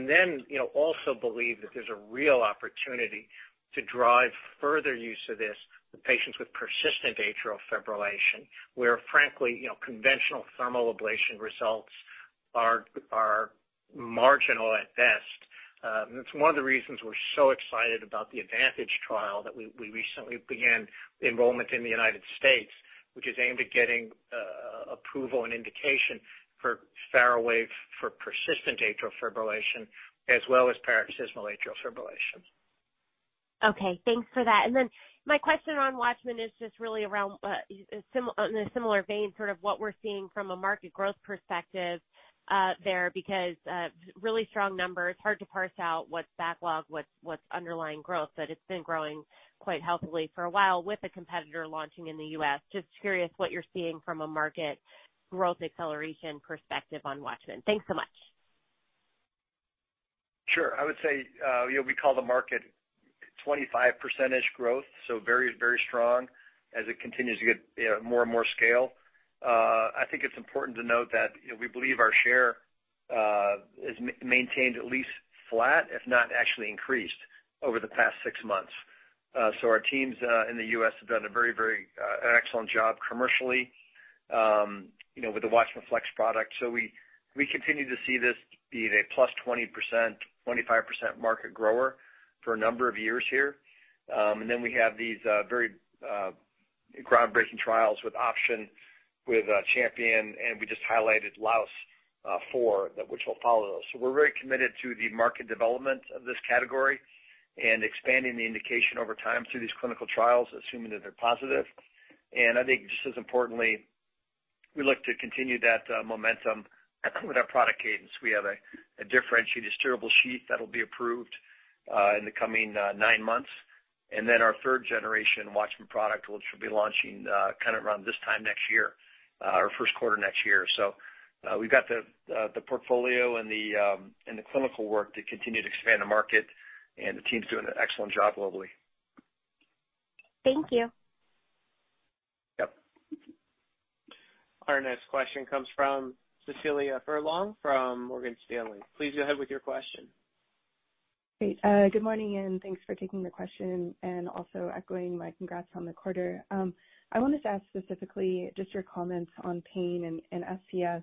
know, also believe that there's a real opportunity to drive further use of this with patients with persistent atrial fibrillation, where frankly, you know, conventional thermal ablation results are marginal at best. It's one of the reasons we're so excited about the Advantage trial that we recently began enrollment in the United States, which is aimed at getting approval and indication for FARAWAVE for persistent atrial fibrillation, as well as paroxysmal atrial fibrillation. Okay. Thanks for that. My question on WATCHMAN is just really around in a similar vein, sort of what we're seeing from a market growth perspective there, because really strong numbers. Hard to parse out what's backlog, what's underlying growth, but it's been growing quite healthily for a while with a competitor launching in the U.S. Just curious what you're seeing from a market growth acceleration perspective on WATCHMAN. Thanks so much. Sure. I would say, you know, we call the market 25% growth, so very, very strong as it continues to get, you know, more and more scale. I think it's important to note that, you know, we believe our share has maintained at least flat, if not actually increased over the past six months. Our teams in the U.S. have done a very, an excellent job commercially, you know, with the WATCHMAN FLX product. We continue to see this being a +20%, 25% market grower for a number of years here. We have these very, groundbreaking trials with OPTION, with CHAMPION, and we just highlighted LAAOS-4, which will follow those. We're very committed to the market development of this category and expanding the indication over time through these clinical trials, assuming that they're positive. I think just as importantly, we look to continue that momentum with our product cadence. We have a differentiated steerable sheath that'll be approved in the coming nine months. Then our third generation WATCHMAN product, which will be launching kind of around this time next year, or first quarter next year. We've got the portfolio and the clinical work to continue to expand the market, and the team's doing an excellent job globally. Thank you. Yep. Our next question comes from Cecilia Furlong from Morgan Stanley. Please go ahead with your question. Great. Good morning, and thanks for taking the question, and also echoing my congrats on the quarter. I wanted to ask specifically just your comments on pain and SCS,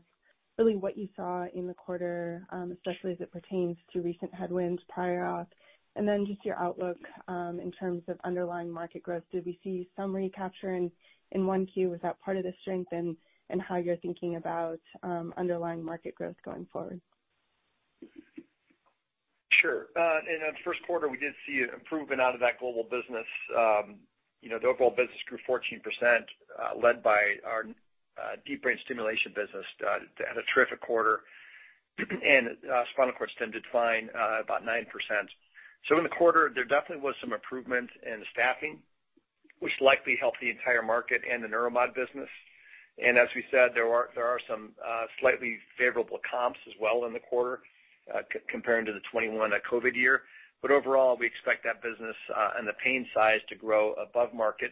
really what you saw in the quarter, especially as it pertains to recent headwinds prior op, and then just your outlook, in terms of underlying market growth. Do we see some recapturing in 1Q? Is that part of the strength in how you're thinking about, underlying market growth going forward? Sure. In the first quarter, we did see improvement out of that global business. You know, the overall business grew 14%, led by our Deep Brain Stimulation business. They had a terrific quarter. Spinal Cord Stim did fine, about 9%. In the quarter, there definitely was some improvement in the staffing, which likely helped the entire market and the Neuromod business. As we said, there are some slightly favorable comps as well in the quarter comparing to the 2021 COVID year. Overall, we expect that business and the pain size to grow above market,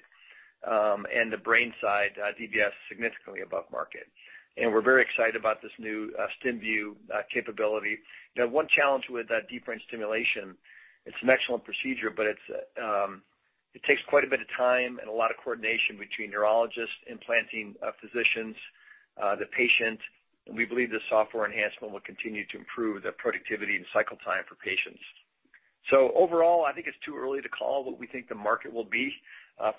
and the brain side, DBS significantly above market. We're very excited about this new StimView capability. You know, one challenge with deep brain stimulation, it's an excellent procedure, but it's, it takes quite a bit of time and a lot of coordination between neurologists, implanting physicians, the patient. We believe the software enhancement will continue to improve the productivity and cycle time for patients. Overall, I think it's too early to call what we think the market will be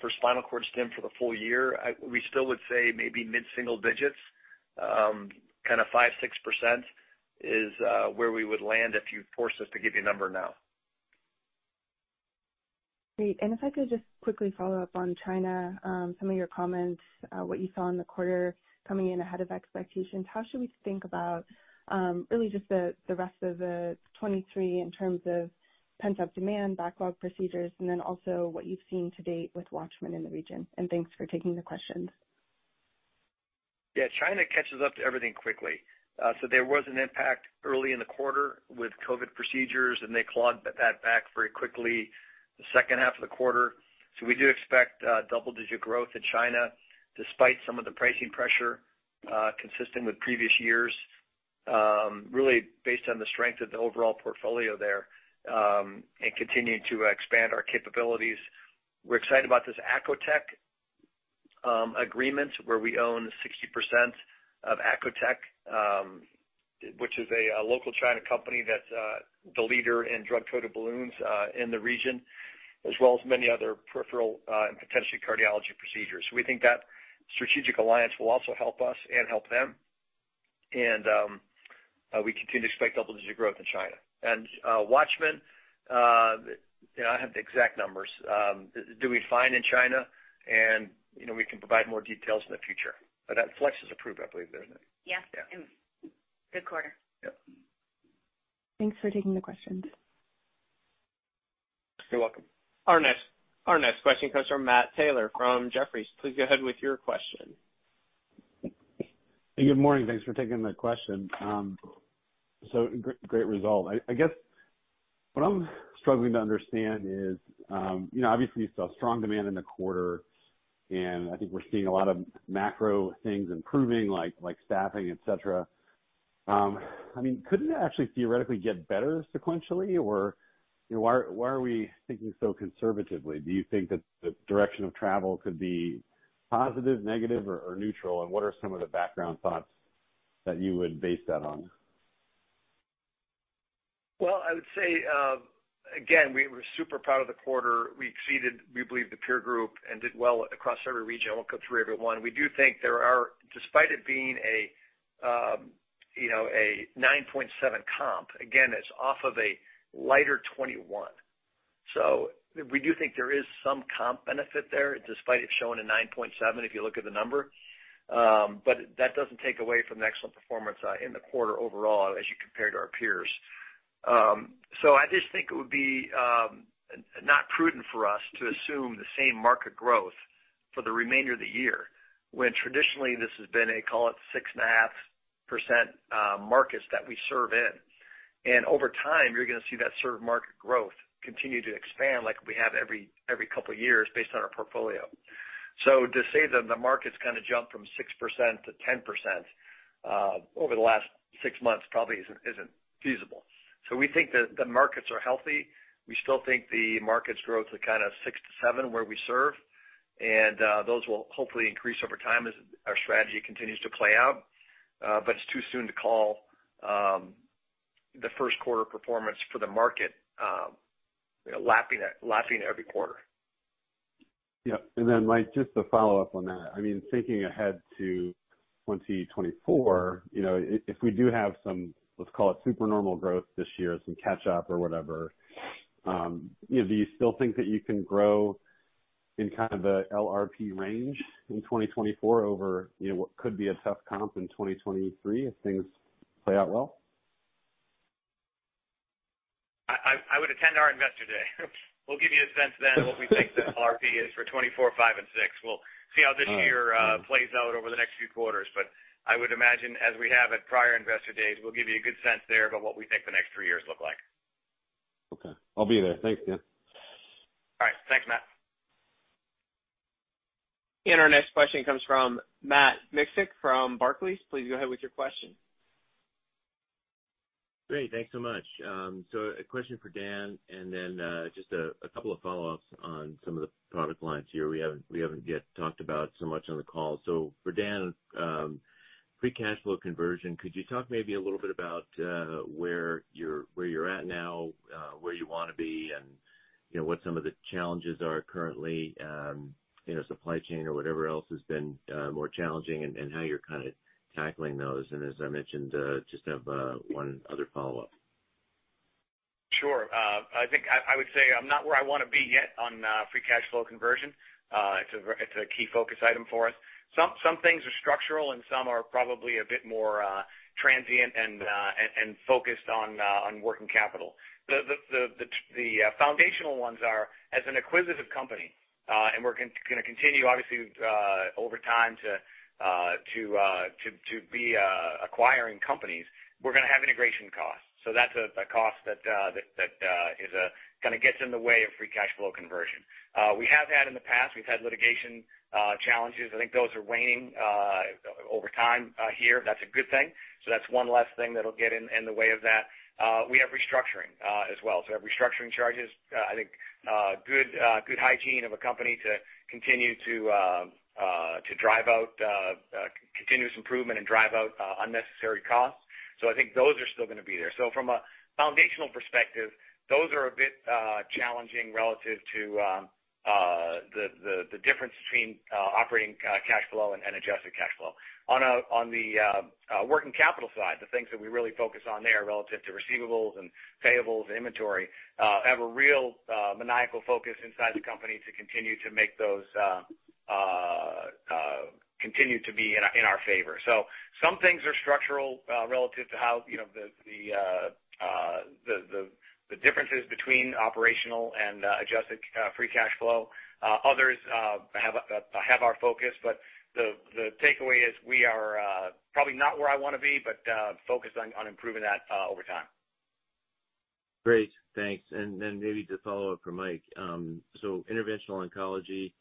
for spinal cord stim for the full year. We still would say maybe mid-single digits. Kinda 5%-6% is where we would land if you forced us to give you a number now. Great. If I could just quickly follow up on China, some of your comments, what you saw in the quarter coming in ahead of expectations. How should we think about, really just the rest of 2023 in terms of pent-up demand, backlog procedures, and then also what you've seen to date with WATCHMAN in the region? Thanks for taking the questions. Yeah. China catches up to everything quickly. There was an impact early in the quarter with COVID procedures, and they clawed that back very quickly the second half of the quarter. We do expect double-digit growth in China, despite some of the pricing pressure, consistent with previous years, really based on the strength of the overall portfolio there, and continuing to expand our capabilities. We're excited about this Acotec agreements where we own 60% of Acotec, which is a local China company that's the leader in drug-coated balloons in the region, as well as many other peripheral and potentially cardiology procedures. We think that strategic alliance will also help us and help them. We continue to expect double-digit growth in China. WATCHMAN, you know, I have the exact numbers, doing fine in China, and, you know, we can provide more details in the future. That WATCHMAN FLX is approved, I believe, isn't it? Yeah. Yeah. In good quarter. Yep. Thanks for taking the questions. You're welcome. Our next question comes from Matt Taylor from Jefferies. Please go ahead with your question. Good morning. Thanks for taking my question. Great result. I guess what I'm struggling to understand is, you know, obviously, you saw strong demand in the quarter, and I think we're seeing a lot of macro things improving like staffing, et cetera. I mean, couldn't it actually theoretically get better sequentially? Or, you know, why are we thinking so conservatively? Do you think that the direction of travel could be positive, negative or neutral? What are some of the background thoughts that you would base that on? Well, I would say, again, we're super proud of the quarter. We exceeded, we believe the peer group and did well across every region. I won't go through every one. We do think there are. Despite it being a, you know, a 9.7% comp, again, it's off of a lighter 2021. We do think there is some comp benefit there, despite it showing a 9.7%, if you look at the number. But that doesn't take away from the excellent performance in the quarter overall as you compare to our peers. I just think it would be not prudent for us to assume the same market growth for the remainder of the year when traditionally this has been a, call it, 6.5% markets that we serve in. Over time, you're gonna see that served market growth continue to expand like we have every couple of years based on our portfolio. To say that the market's gonna jump from 6% to 10% over the last 6 months probably isn't feasible. We think that the markets are healthy. We still think the markets grow to kind of 6%-7% where we serve, and those will hopefully increase over time as our strategy continues to play out. But it's too soon to call the first quarter performance for the market, you know, lapping every quarter. Yeah. Mike, just to follow up on that, I mean, thinking ahead to 2024, you know, if we do have some, let's call it super normal growth this year, some catch up or whatever, you know, do you still think that you can grow in kind of a LRP range in 2024 over, you know, what could be a tough comp in 2023 if things play out well? I would attend our investor day. We'll give you a sense then what we think the LRP is for 2024, 2025 and 2026. We'll see how this year plays out over the next few quarters. I would imagine, as we have at prior investor days, we'll give you a good sense there about what we think the next three years look like. Okay. I'll be there. Thanks, Dan. All right. Thanks, Matt. Our next question comes from Matt Miksic from Barclays. Please go ahead with your question. Great. Thanks so much. A question for Dan, and then, just a couple of follow-ups on some of the product lines here we haven't yet talked about so much on the call. For Dan, free cash flow conversion, could you talk maybe a little bit about, where you're, where you wanna be, and, you know, what some of the challenges are currently, you know, supply chain or whatever else has been, more challenging and how you're kinda tackling those? As I mentioned, just have one other follow-up. Sure. I think I would say I'm not where I wanna be yet on free cash flow conversion. It's a key focus item for us. Some things are structural and some are probably a bit more transient and focused on working capital. The foundational ones are as an acquisitive company, and we're gonna continue obviously over time to be acquiring companies, we're gonna have integration costs. That's a cost that is kinda gets in the way of free cash flow conversion. We have had in the past, we've had litigation challenges. I think those are waning over time here. That's a good thing. So that's one less thing that'll get in, in the way of that. Uh, we have restructuring, uh, as well. So we have restructuring charges. Uh, I think, uh, good, uh, good hygiene of a company to continue to, um, uh, to drive out, uh, uh, continuous improvement and drive out, uh, unnecessary costs. So I think those are still gonna be there. So from a foundational perspective, those are a bit, uh, challenging relative to, um, uh, the, the, the difference between, uh, operating, uh, cash flow and, and adjusted cash flow. On a-- On the, um, uh, working capital side, the things that we really focus on there relative to receivables and payables and inventory, uh, have a real, uh, maniacal focus inside the company to continue to make those, uh, uh, continue to be in our, in our favor. Some things are structural, relative to how, you know, the differences between operational and adjusted free cash flow. Others have our focus, but the takeaway is we are probably not where I wanna be, but focused on improving that over time. Great. Thanks. Maybe just follow up for Mike. Interventional Oncology,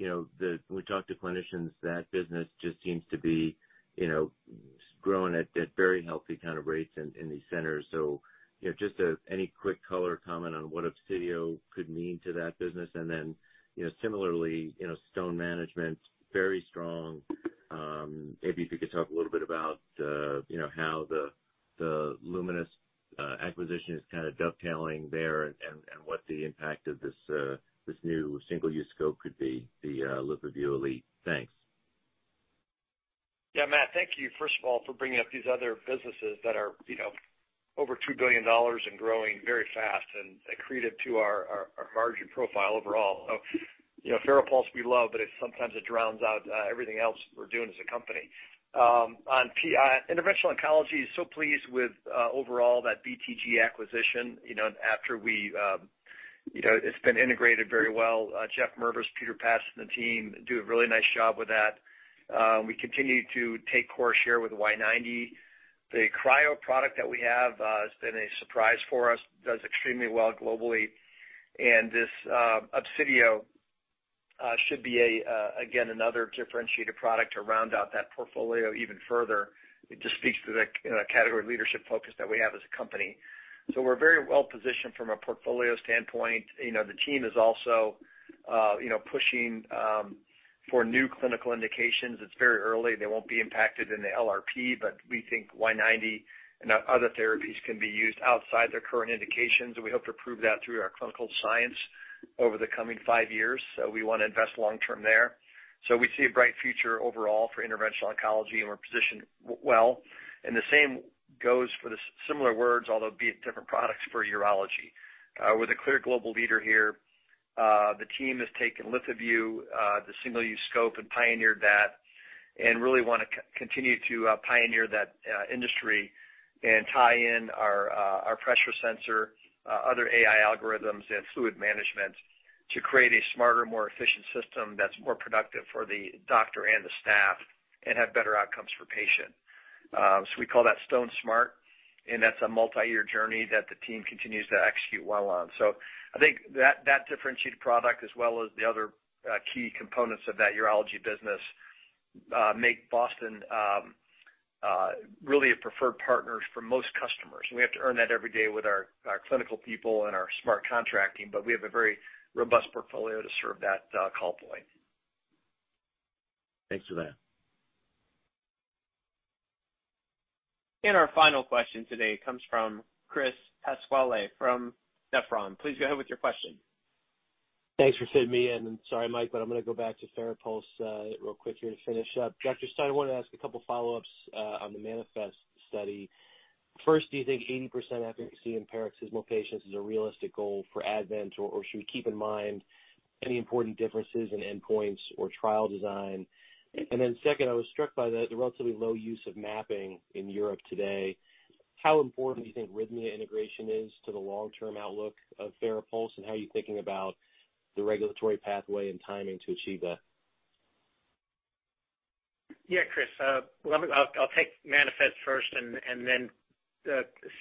you know, when we talk to clinicians, that business just seems to be, you know it's growing at very healthy kind of rates in these centers. You know, just any quick color comment on what Obsidio could mean to that business. Similarly, you know, Stone Management, very strong. Maybe if you could talk a little bit about, you know, how the Lumenis acquisition is kind of dovetailing there and what the impact of this new single-use scope could be, the LithoVue Elite. Thanks. Yeah, Matt, thank you, first of all, for bringing up these other businesses that are, you know, over $2 billion and growing very fast and accretive to our margin profile overall. You know, FARAPULSE we love, but it sometimes it drowns out everything else we're doing as a company. On Interventional Oncology is so pleased with overall that BTG acquisition, you know, after we, you know, it's been integrated very well. Jeff Mirviss, Peter Pattison and the team do a really nice job with that. We continue to take core share with Y-90. The cryo product that we have has been a surprise for us. Does extremely well globally. This Obsidio should be a again, another differentiated product to round out that portfolio even further. It just speaks to the, you know, category leadership focus that we have as a company. We're very well positioned from a portfolio standpoint. You know, the team is also, you know, pushing for new clinical indications. It's very early. They won't be impacted in the LRP, but we think Y-90 and other therapies can be used outside their current indications, and we hope to prove that through our clinical science over the coming five years. We wanna invest long term there. We see a bright future overall for Interventional Oncology, and we're positioned well. The same goes for the similar words, although be it different products for Urology. We're the clear global leader here. The team has taken LithoVue, the single-use scope and pioneered that and really wanna continue to pioneer that industry and tie in our pressure sensor, other AI algorithms and fluid management to create a smarter, more efficient system that's more productive for the doctor and the staff and have better outcomes for patient. We call that Stone Smart, and that's a multiyear journey that the team continues to execute well on. I think that differentiated product as well as the other key components of that Urology business make Boston really a preferred partners for most customers. We have to earn that every day with our clinical people and our smart contracting, but we have a very robust portfolio to serve that call point. Thanks for that. Our final question today comes from Chris Pasquale from Nephron. Please go ahead with your question. Thanks for fitting me in. Sorry, Mike, but I'm gonna go back to FARAPULSE real quick here to finish up. Dr. Stein, I wanted to ask a couple follow-ups on the MANIFEST study. First, do you think 80% efficacy in paroxysmal patients is a realistic goal for ADVENT? Or should we keep in mind any important differences in endpoints or trial design? Second, I was struck by the relatively low use of mapping in Europe today. How important do you think Rhythmia integration is to the long-term outlook of FARAPULSE, and how are you thinking about the regulatory pathway and timing to achieve that? Yeah, Chris, well, I'll take MANIFEST first and then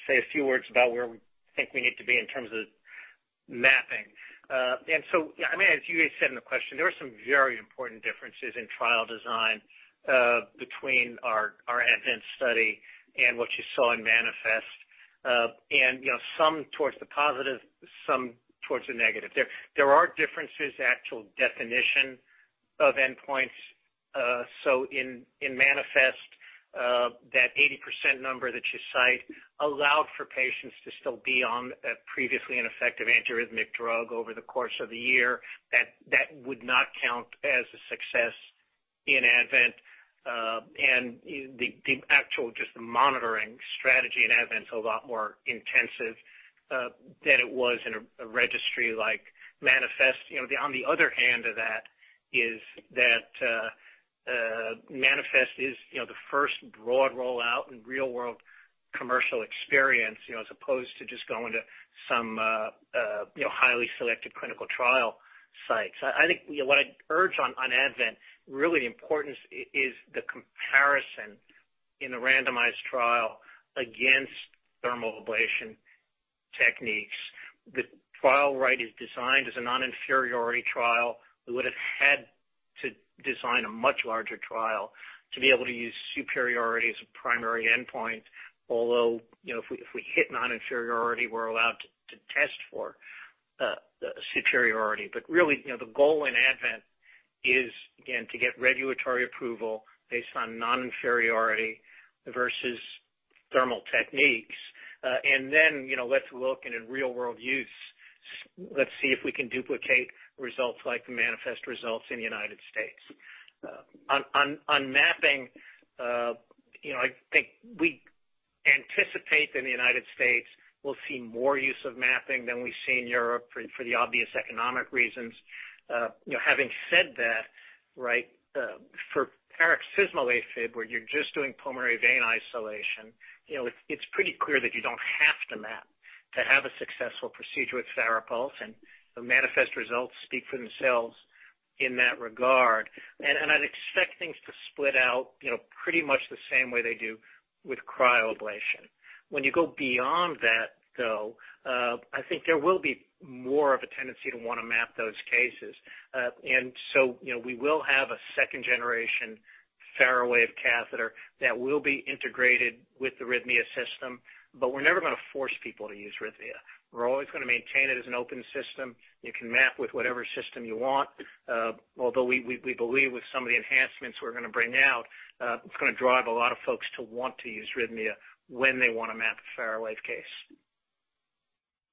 say a few words about where we think we need to be in terms of mapping. Yeah, I mean, as you said in the question, there are some very important differences in trial design between our ADVENT study and what you saw in MANIFEST. You know, some towards the positive, some towards the negative. There are differences, actual definition of endpoints. In MANIFEST, that 80% number that you cite allowed for patients to still be on a previously ineffective antiarrhythmic drug over the course of the year that would not count as a success in ADVENT. The actual just the monitoring strategy in ADVENT is a lot more intensive than it was in a registry like MANIFEST. You know, on the other hand of that is that MANIFEST is, you know, the first broad rollout in real-world commercial experience, you know, as opposed to just going to some, you know, highly selected clinical trial sites. I think, you know, what I'd urge on ADVENT really importance is the comparison in a randomized trial against thermal ablation techniques. The trial, right, is designed as a non-inferiority trial. We would've had to design a much larger trial to be able to use superiority as a primary endpoint. Although, you know, if we, if we hit non-inferiority, we're allowed to test for superiority. Really, you know, the goal in ADVENT is, again, to get regulatory approval based on non-inferiority versus thermal techniques. you know, let's look and in real world use, let's see if we can duplicate results like the MANIFEST results in the United States. on mapping, you know, I think we anticipate that the United States will see more use of mapping than we see in Europe for the obvious economic reasons. you know, having said that, right, for paroxysmal AFib, where you're just doing pulmonary vein isolation, you know, it's pretty clear that you don't have to map to have a successful procedure with FARAPULSE, and the MANIFEST results speak for themselves in that regard. I'd expect things to split out, you know, pretty much the same way they do with cryoablation. When you go beyond that, though, I think there will be more of a tendency to wanna map those cases. You know, we will have a second generation FARAWAVE catheter that will be integrated with the Rhythmia system, but we're never gonna force people to use Rhythmia. We're always gonna maintain it as an open system. You can map with whatever system you want. We believe with some of the enhancements we're gonna bring out, it's gonna drive a lot of folks to want to use Rhythmia when they want to map a FARAWAVE case.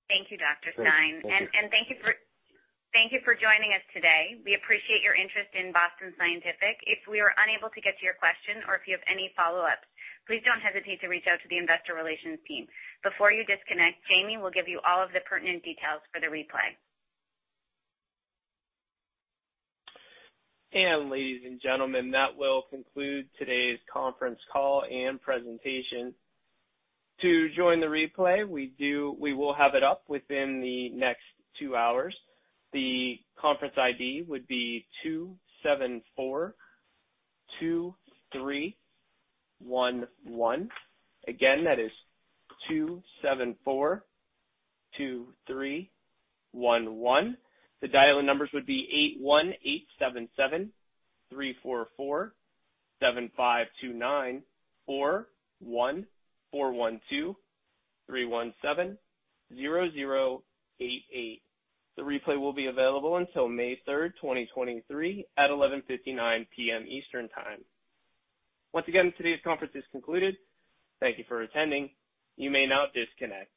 Thank you, Dr. Stein. Great. Thank you. Thank you for joining us today. We appreciate your interest in Boston Scientific. If we were unable to get to your question or if you have any follow-ups, please don't hesitate to reach out to the investor relations team. Before you disconnect, Jamie will give you all of the pertinent details for the replay. Ladies and gentlemen, that will conclude today's conference call and presentation. To join the replay, We will have it up within the next 2 hours. The conference ID would be 2742311. Again, that is 2742311. The dial-in numbers would be 8187734475 29414123170088. The replay will be available until May 3rd, 2023 at 11:59 P.M. Eastern Time. Once again, today's conference is concluded. Thank you for attending. You may now disconnect.